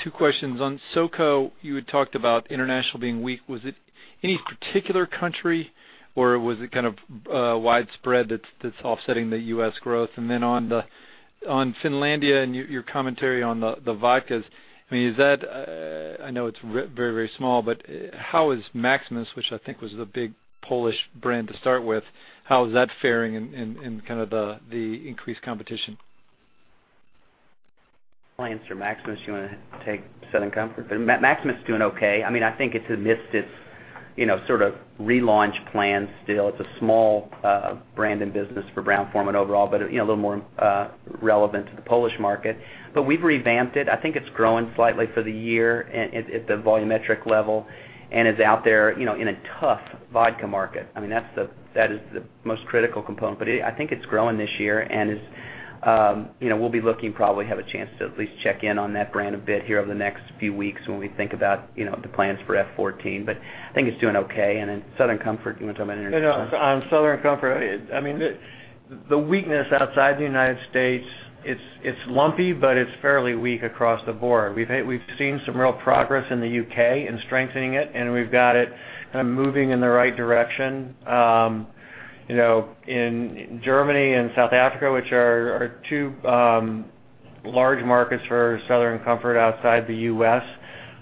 two questions. On SoCo, you had talked about international being weak. Was it any particular country or was it kind of widespread that's offsetting the U.S. growth? Then on Finlandia and your commentary on the vodkas. I know it's very small, but how is Maximus, which I think was the big Polish brand to start with, how is that faring in kind of the increased competition? I'll answer Maximus. You want to take Southern Comfort? Maximus is doing okay. I think it's amidst its sort of relaunch plan still. It's a small brand and business for Brown-Forman overall, but a little more relevant to the Polish market. We've revamped it. I think it's growing slightly for the year at the volumetric level and is out there, in a tough vodka market. That is the most critical component. I think it's growing this year, we'll be looking, probably have a chance to at least check in on that brand a bit here over the next few weeks when we think about the plans for FY 2014. I think it's doing okay. Then Southern Comfort, you want to talk about international? On Southern Comfort, the weakness outside the U.S., it's lumpy, but it's fairly weak across the board. We've seen some real progress in the U.K. in strengthening it. We've got it kind of moving in the right direction. In Germany and South Africa, which are two large markets for Southern Comfort outside the U.S.,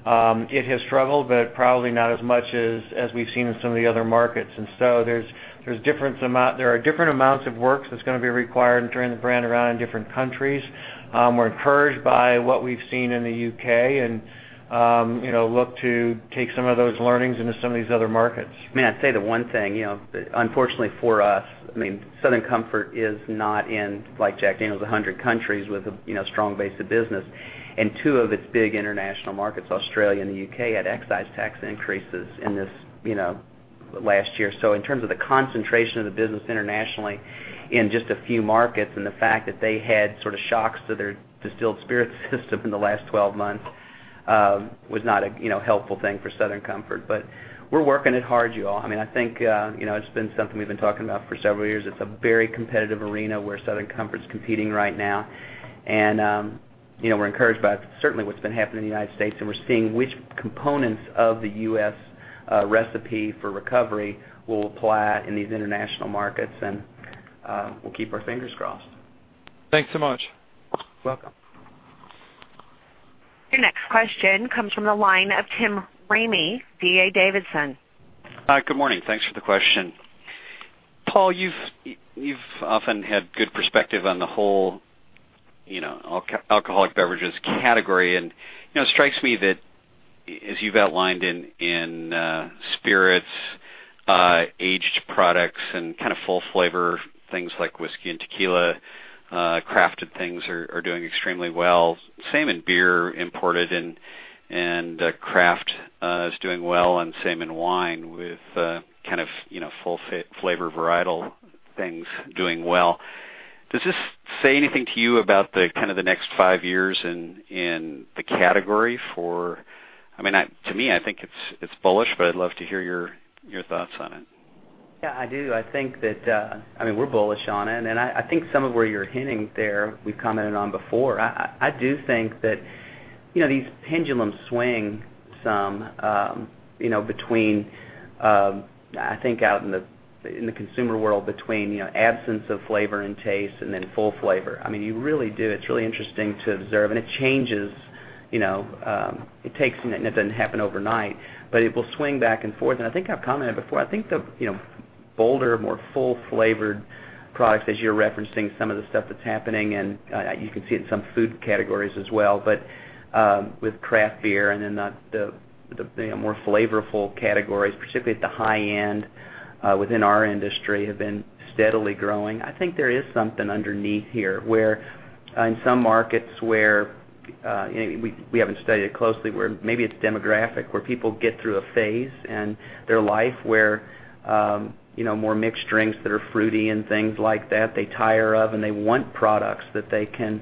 it has struggled, but probably not as much as we've seen in some of the other markets. There are different amounts of work that's going to be required in turning the brand around in different countries. We're encouraged by what we've seen in the U.K., look to take some of those learnings into some of these other markets. May I say the one thing, unfortunately for us, Southern Comfort is not in like Jack Daniel's, 100 countries with a strong base of business. Two of its big international markets, Australia and the U.K., had excise tax increases in this last year. In terms of the concentration of the business internationally in just a few markets, and the fact that they had sort of shocks to their distilled spirits system in the last 12 months, was not a helpful thing for Southern Comfort. We're working it hard, you all. I think, it's been something we've been talking about for several years. It's a very competitive arena where Southern Comfort's competing right now. We're encouraged by certainly what's been happening in the U.S. We're seeing which components of the U.S. recipe for recovery will apply in these international markets. We'll keep our fingers crossed. Thanks so much. You're welcome. Your next question comes from the line of Tim Ramey, D.A. Davidson. Hi. Good morning. Thanks for the question. Paul, you've often had good perspective on the whole alcoholic beverages category. It strikes me that as you've outlined in spirits, aged products, and kind of full flavor things like whiskey and tequila, crafted things are doing extremely well. Same in beer, imported, and craft is doing well, and same in wine with kind of full flavor varietal things doing well. Does this say anything to you about the kind of the next five years in the category? To me, I think it's bullish, but I'd love to hear your thoughts on it. I do. I think that we're bullish on it, and I think some of where you're hinting there, we've commented on before. I do think that these pendulums swing some between, I think out in the consumer world, between absence of flavor and taste and then full flavor. You really do. It's really interesting to observe, and it changes. It takes some, it doesn't happen overnight, but it will swing back and forth. I think I've commented before, I think the bolder, more full-flavored products, as you're referencing some of the stuff that's happening, and you can see it in some food categories as well. With craft beer and then the more flavorful categories, particularly at the high end within our industry, have been steadily growing. I think there is something underneath here where in some markets where we haven't studied it closely, where maybe it's demographic, where people get through a phase in their life where more mixed drinks that are fruity and things like that, they tire of, and they want products that they can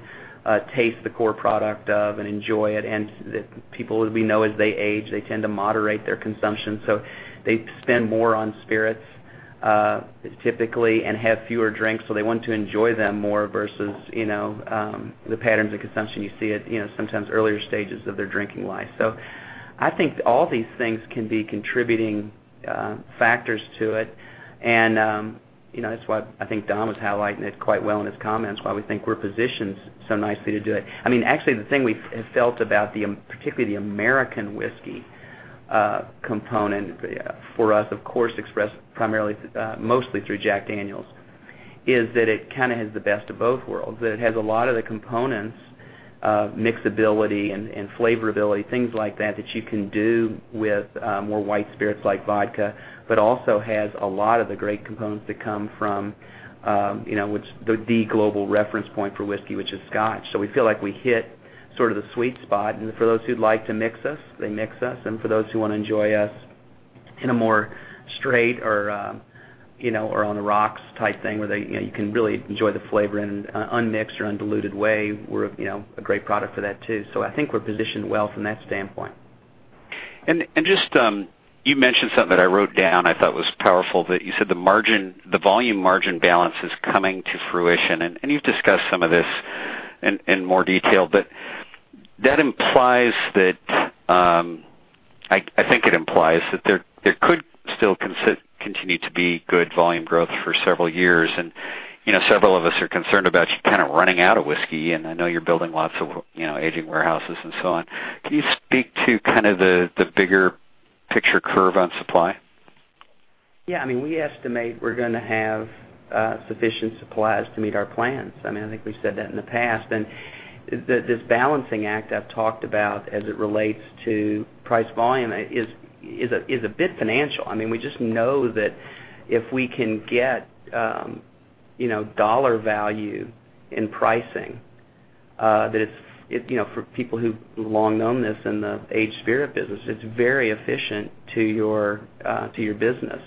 taste the core product of and enjoy it. People, as we know, as they age, they tend to moderate their consumption. They spend more on spirits, typically, and have fewer drinks, so they want to enjoy them more versus the patterns of consumption you see at sometimes earlier stages of their drinking life. I think all these things can be contributing factors to it. That's why I think Don was highlighting it quite well in his comments, why we think we're positioned so nicely to do it. Actually, the thing we have felt about, particularly the American whiskey component for us, of course, expressed mostly through Jack Daniel's, is that it kind of has the best of both worlds. That it has a lot of the components Mixability and flavorability, things like that you can do with more white spirits like vodka, but also has a lot of the great components that come from the global reference point for whiskey, which is Scotch. We feel like we hit sort of the sweet spot. For those who'd like to mix us, they mix us. For those who want to enjoy us in a more straight or on the rocks type thing where they can really enjoy the flavor in unmixed or undiluted way, we're a great product for that, too. I think we're positioned well from that standpoint. You mentioned something that I wrote down, I thought was powerful, that you said the volume margin balance is coming to fruition, and you've discussed some of this in more detail, but that implies that I think it implies that there could still continue to be good volume growth for several years. Several of us are concerned about you kind of running out of whiskey, and I know you're building lots of aging warehouses and so on. Can you speak to kind of the bigger picture curve on supply? Yeah. We estimate we're going to have sufficient supplies to meet our plans. I think we've said that in the past. This balancing act I've talked about as it relates to price volume is a bit financial. We just know that if we can get dollar value in pricing, for people who've long known this in the aged spirit business, it's very efficient to your business.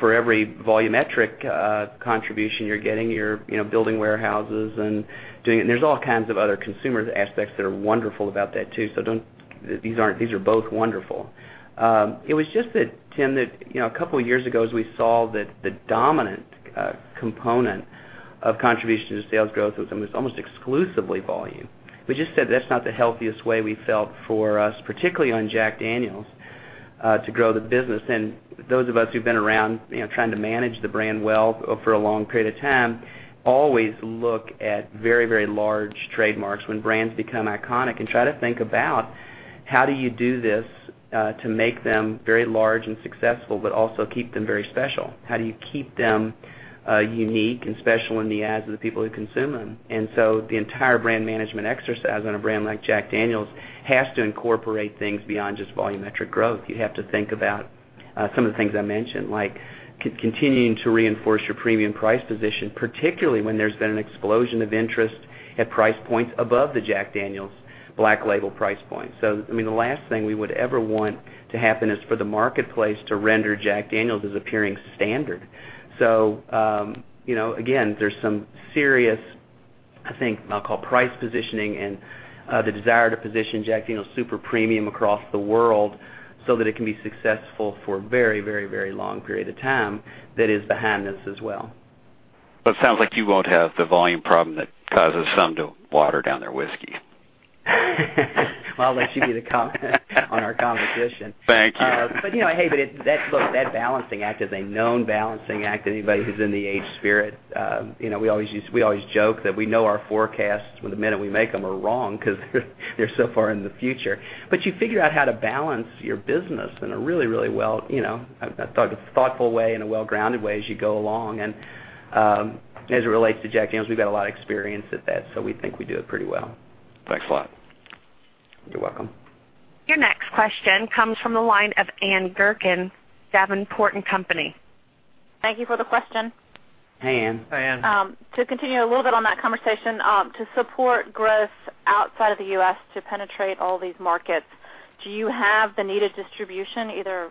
For every volumetric contribution you're getting, you're building warehouses and doing. There's all kinds of other consumer aspects that are wonderful about that, too. These are both wonderful. It was just that, Tim, that a couple of years ago, as we saw that the dominant component of contribution to sales growth was almost exclusively volume. We just said that's not the healthiest way we felt for us, particularly on Jack Daniel's, to grow the business. Those of us who've been around trying to manage the brand well for a long period of time, always look at very, very large trademarks when brands become iconic, and try to think about how do you do this to make them very large and successful, but also keep them very special. How do you keep them unique and special in the eyes of the people who consume them? The entire brand management exercise on a brand like Jack Daniel's has to incorporate things beyond just volumetric growth. You have to think about some of the things I mentioned, like continuing to reinforce your premium price position, particularly when there's been an explosion of interest at price points above the Jack Daniel's Black Label price point. The last thing we would ever want to happen is for the marketplace to render Jack Daniel's as appearing standard. Again, there's some serious, I think I'll call price positioning and the desire to position Jack Daniel's super premium across the world so that it can be successful for a very long period of time, that is behind this as well. It sounds like you won't have the volume problem that causes some to water down their whiskey. I'll let you get a comment on our competition. Thank you. Hey, look, that balancing act is a known balancing act. Anybody who's in the aged spirit, we always joke that we know our forecasts from the minute we make them are wrong because they're so far in the future. You figure out how to balance your business in a really well, thoughtful way and a well-grounded way as you go along. As it relates to Jack Daniel's, we've got a lot of experience at that, we think we do it pretty well. Thanks a lot. You're welcome. Your next question comes from the line of Ann Gurkin, Davenport & Company. Thank you for the question. Hey, Ann. Hey, Ann. To continue a little bit on that conversation, to support growth outside of the U.S., to penetrate all these markets, do you have the needed distribution either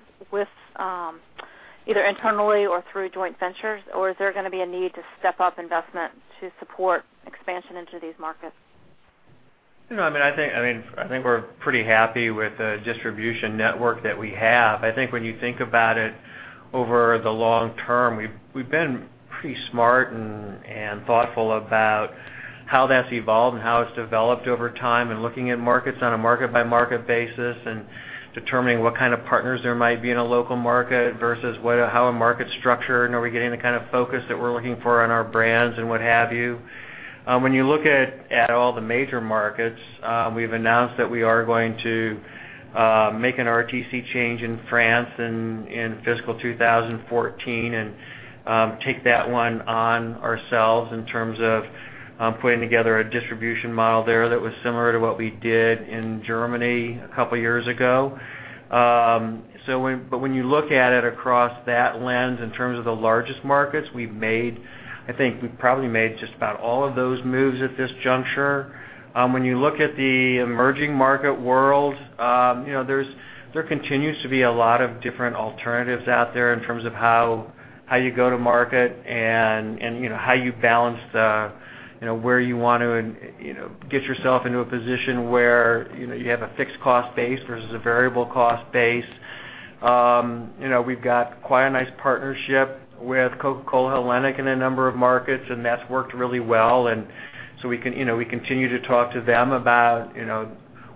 internally or through joint ventures, or is there going to be a need to step up investment to support expansion into these markets? I think we're pretty happy with the distribution network that we have. I think when you think about it over the long term, we've been pretty smart and thoughtful about how that's evolved and how it's developed over time, and looking at markets on a market-by-market basis, and determining what kind of partners there might be in a local market versus how a market's structured, and are we getting the kind of focus that we're looking for on our brands and what have you. When you look at all the major markets, we've announced that we are going to make an RTC change in France in fiscal 2014 and take that one on ourselves in terms of putting together a distribution model there that was similar to what we did in Germany a couple of years ago. When you look at it across that lens in terms of the largest markets, I think we've probably made just about all of those moves at this juncture. When you look at the emerging market world, there continues to be a lot of different alternatives out there in terms of how you go to market and how you balance where you want to get yourself into a position where you have a fixed cost base versus a variable cost base. We've got quite a nice partnership with Coca-Cola Hellenic in a number of markets, and that's worked really well. We continue to talk to them about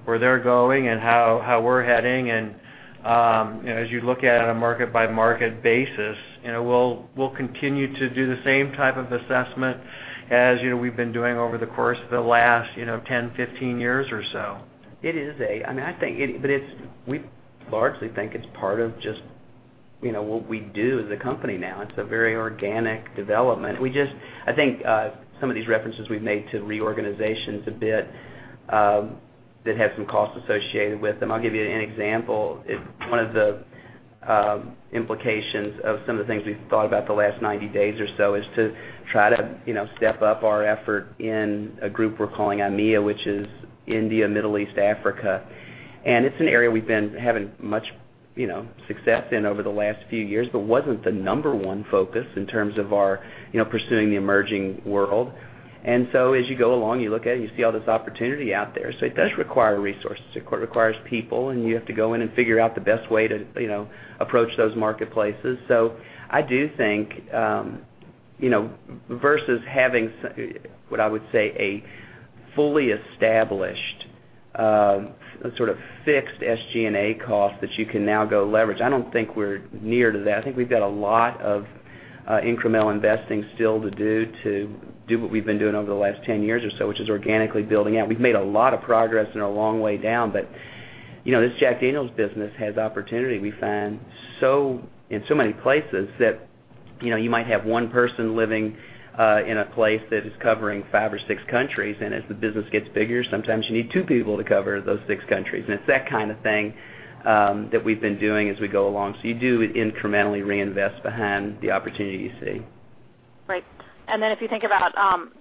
where they're going and how we're heading. As you look at it on a market-by-market basis, we'll continue to do the same type of assessment as we've been doing over the course of the last 10, 15 years or so. We largely think it's part of What we do as a company now, it's a very organic development. I think some of these references we've made to reorganization a bit, that have some cost associated with them. I'll give you an example. One of the implications of some of the things we've thought about the last 90 days or so is to try to step up our effort in a group we're calling IMEA, which is India, Middle East, Africa. It's an area we've been having much success in over the last few years, but wasn't the number 1 focus in terms of our pursuing the emerging world. As you go along, you look at it and you see all this opportunity out there. It does require resources. It requires people, and you have to go in and figure out the best way to approach those marketplaces. I do think, versus having what I would say a fully established, fixed SG&A cost that you can now go leverage. I don't think we're near to that. I think we've got a lot of incremental investing still to do what we've been doing over the last 10 years or so, which is organically building out. We've made a lot of progress and are a long way down, but this Jack Daniel's business has opportunity. We find in so many places that you might have one person living in a place that is covering five or six countries, and as the business gets bigger, sometimes you need two people to cover those six countries. It's that kind of thing that we've been doing as we go along. You do incrementally reinvest behind the opportunity you see. Right. If you think about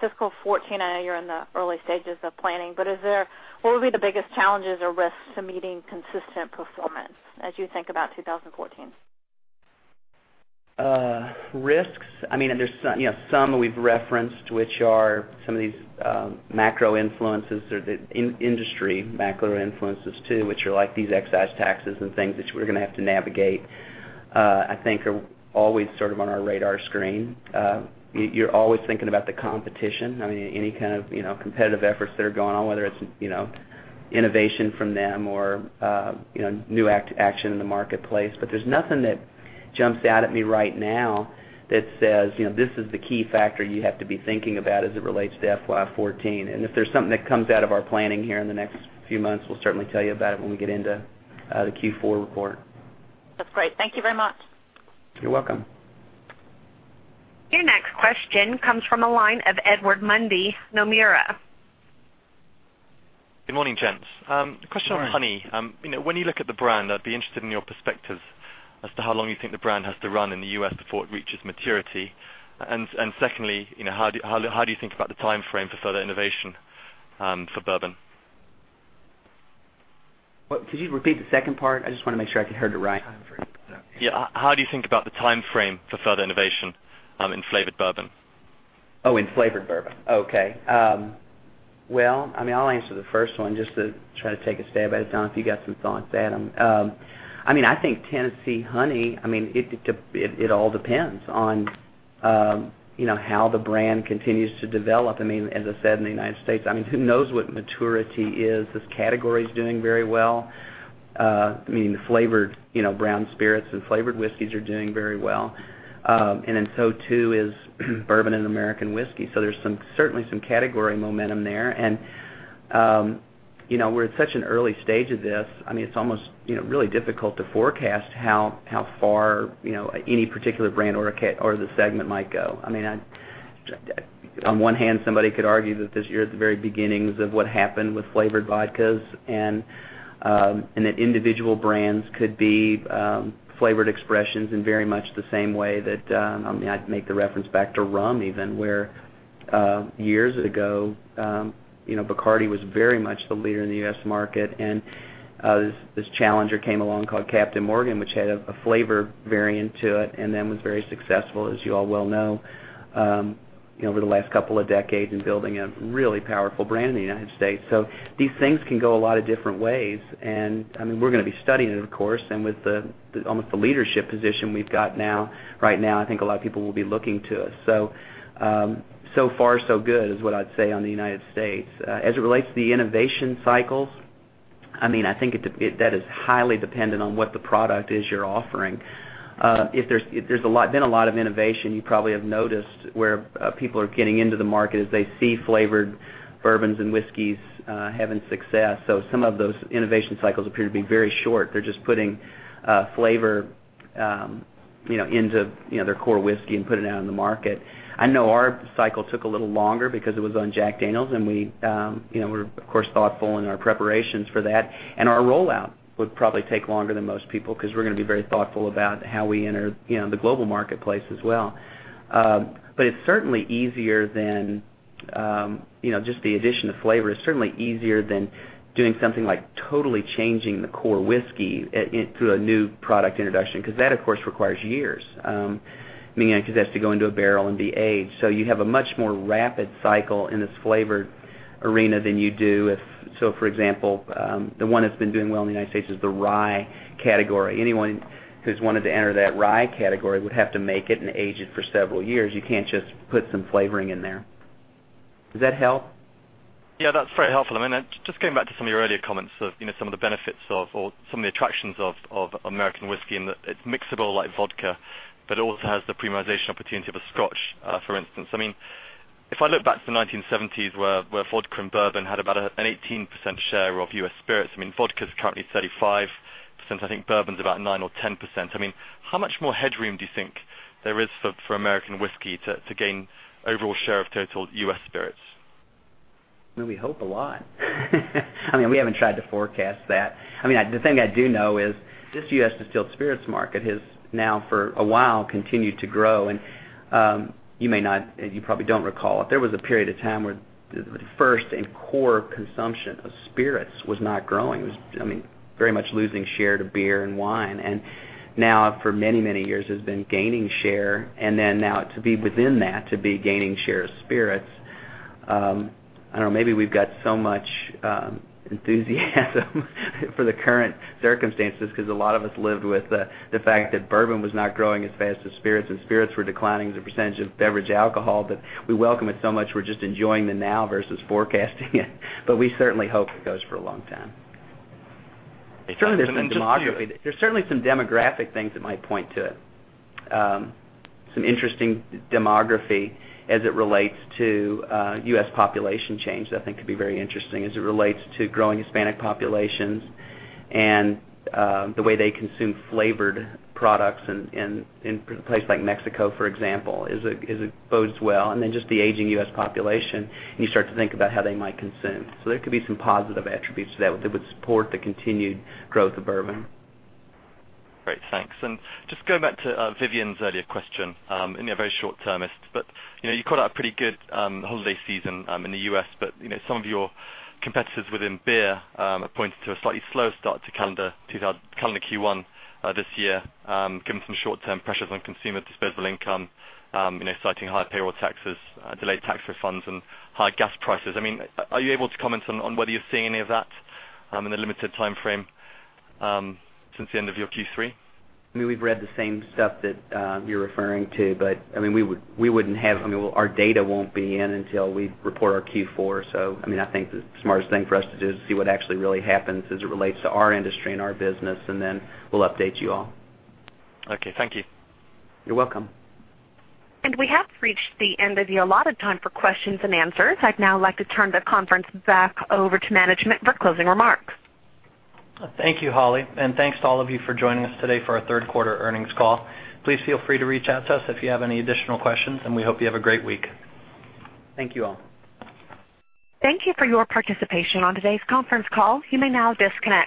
fiscal 2014, I know you're in the early stages of planning, but what would be the biggest challenges or risks to meeting consistent performance as you think about 2014? Risks? Some we've referenced, which are some of these macro influences or the industry macro influences too, which are like these excise taxes and things that we're going to have to navigate, I think are always sort of on our radar screen. You're always thinking about the competition, any kind of competitive efforts that are going on, whether it's innovation from them or new action in the marketplace. There's nothing that jumps out at me right now that says, "This is the key factor you have to be thinking about as it relates to FY 2014." If there's something that comes out of our planning here in the next few months, we'll certainly tell you about it when we get into the Q4 report. That's great. Thank you very much. You're welcome. Your next question comes from the line of Edward Mundy, Nomura. Good morning, gents. Morning. A question on Honey. When you look at the brand, I'd be interested in your perspective as to how long you think the brand has to run in the U.S. before it reaches maturity. Secondly, how do you think about the timeframe for further innovation for bourbon? Could you repeat the second part? I just want to make sure I heard it right. Timeframe. Yeah. How do you think about the timeframe for further innovation in flavored bourbon? Oh, in flavored bourbon. Okay. Well, I'll answer the first one just to try to take a stab at it. Tim, if you got some thoughts, add them. I think Tennessee Honey, it all depends on how the brand continues to develop. As I said, in the United States, who knows what maturity is? This category's doing very well. Flavored brown spirits and flavored whiskeys are doing very well. too is bourbon and American whiskey. There's certainly some category momentum there. We're at such an early stage of this, it's almost really difficult to forecast how far any particular brand or the segment might go. On one hand, somebody could argue that this year is the very beginnings of what happened with flavored vodkas, and that individual brands could be flavored expressions in very much the same way that, I'd make the reference back to rum even, where years ago, Bacardi was very much the leader in the U.S. market. This challenger came along called Captain Morgan, which had a flavor variant to it, and then was very successful, as you all well know, over the last couple of decades in building a really powerful brand in the United States. These things can go a lot of different ways, and we're going to be studying it, of course. With almost the leadership position we've got now, right now, I think a lot of people will be looking to us. Far so good, is what I'd say on the United States. As it relates to the innovation cycles, I think that is highly dependent on what the product is you're offering. There's been a lot of innovation. You probably have noticed where people are getting into the market as they see flavored bourbons and whiskeys having success. Some of those innovation cycles appear to be very short. They're just putting flavor into their core whiskey and putting it out in the market. I know our cycle took a little longer because it was on Jack Daniel's, and we were, of course, thoughtful in our preparations for that. Our rollout would probably take longer than most people because we're going to be very thoughtful about how we enter the global marketplace as well. It's certainly easier than, just the addition of flavor, is certainly easier than doing something like totally changing the core whiskey through a new product introduction, because that, of course, requires years, because it has to go into a barrel and be aged. You have a much more rapid cycle in this flavored arena than you do if, for example, the one that's been doing well in the U.S. is the rye category. Anyone who's wanted to enter that rye category would have to make it and age it for several years. You can't just put some flavoring in there. Does that help? Yeah, that's very helpful. Just going back to some of your earlier comments of some of the benefits of, or some of the attractions of American whiskey, and that it's mixable like vodka, but also has the premiumization opportunity of a Scotch, for instance. If I look back to the 1970s, where vodka and bourbon had about an 18% share of U.S. spirits, vodka is currently 35%. I think bourbon's about 9% or 10%. How much more headroom do you think there is for American whiskey to gain overall share of total U.S. spirits? We hope a lot. We haven't tried to forecast that. The thing I do know is this U.S. distilled spirits market has now for a while continued to grow. You probably don't recall, there was a period of time where the first and core consumption of spirits was not growing. It was very much losing share to beer and wine, and now for many, many years has been gaining share, and then now to be within that, to be gaining share of spirits. I don't know, maybe we've got so much enthusiasm for the current circumstances because a lot of us lived with the fact that bourbon was not growing as fast as spirits, and spirits were declining as a percentage of beverage alcohol, we welcome it so much, we're just enjoying the now versus forecasting it. We certainly hope it goes for a long time. There's certainly some demographic things that might point to it. Some interesting demography as it relates to U.S. population change that I think could be very interesting, as it relates to growing Hispanic populations and the way they consume flavored products in places like Mexico, for example, it bodes well. Just the aging U.S. population, and you start to think about how they might consume. There could be some positive attributes to that that would support the continued growth of bourbon. Great, thanks. Just going back to Vivien's earlier question, and very short-termist, you called out a pretty good holiday season in the U.S., some of your competitors within beer are pointing to a slightly slower start to calendar Q1 this year, given some short-term pressures on consumer disposable income, citing higher payroll taxes, delayed tax refunds, and higher gas prices. Are you able to comment on whether you're seeing any of that in the limited timeframe since the end of your Q3? We've read the same stuff that you're referring to, our data won't be in until we report our Q4, I think the smartest thing for us to do is see what actually really happens as it relates to our industry and our business, we'll update you all. Okay, thank you. You're welcome. We have reached the end of the allotted time for questions and answers. I'd now like to turn the conference back over to management for closing remarks. Thank you, Holly, and thanks to all of you for joining us today for our third quarter earnings call. Please feel free to reach out to us if you have any additional questions. We hope you have a great week. Thank you all. Thank you for your participation on today's conference call. You may now disconnect.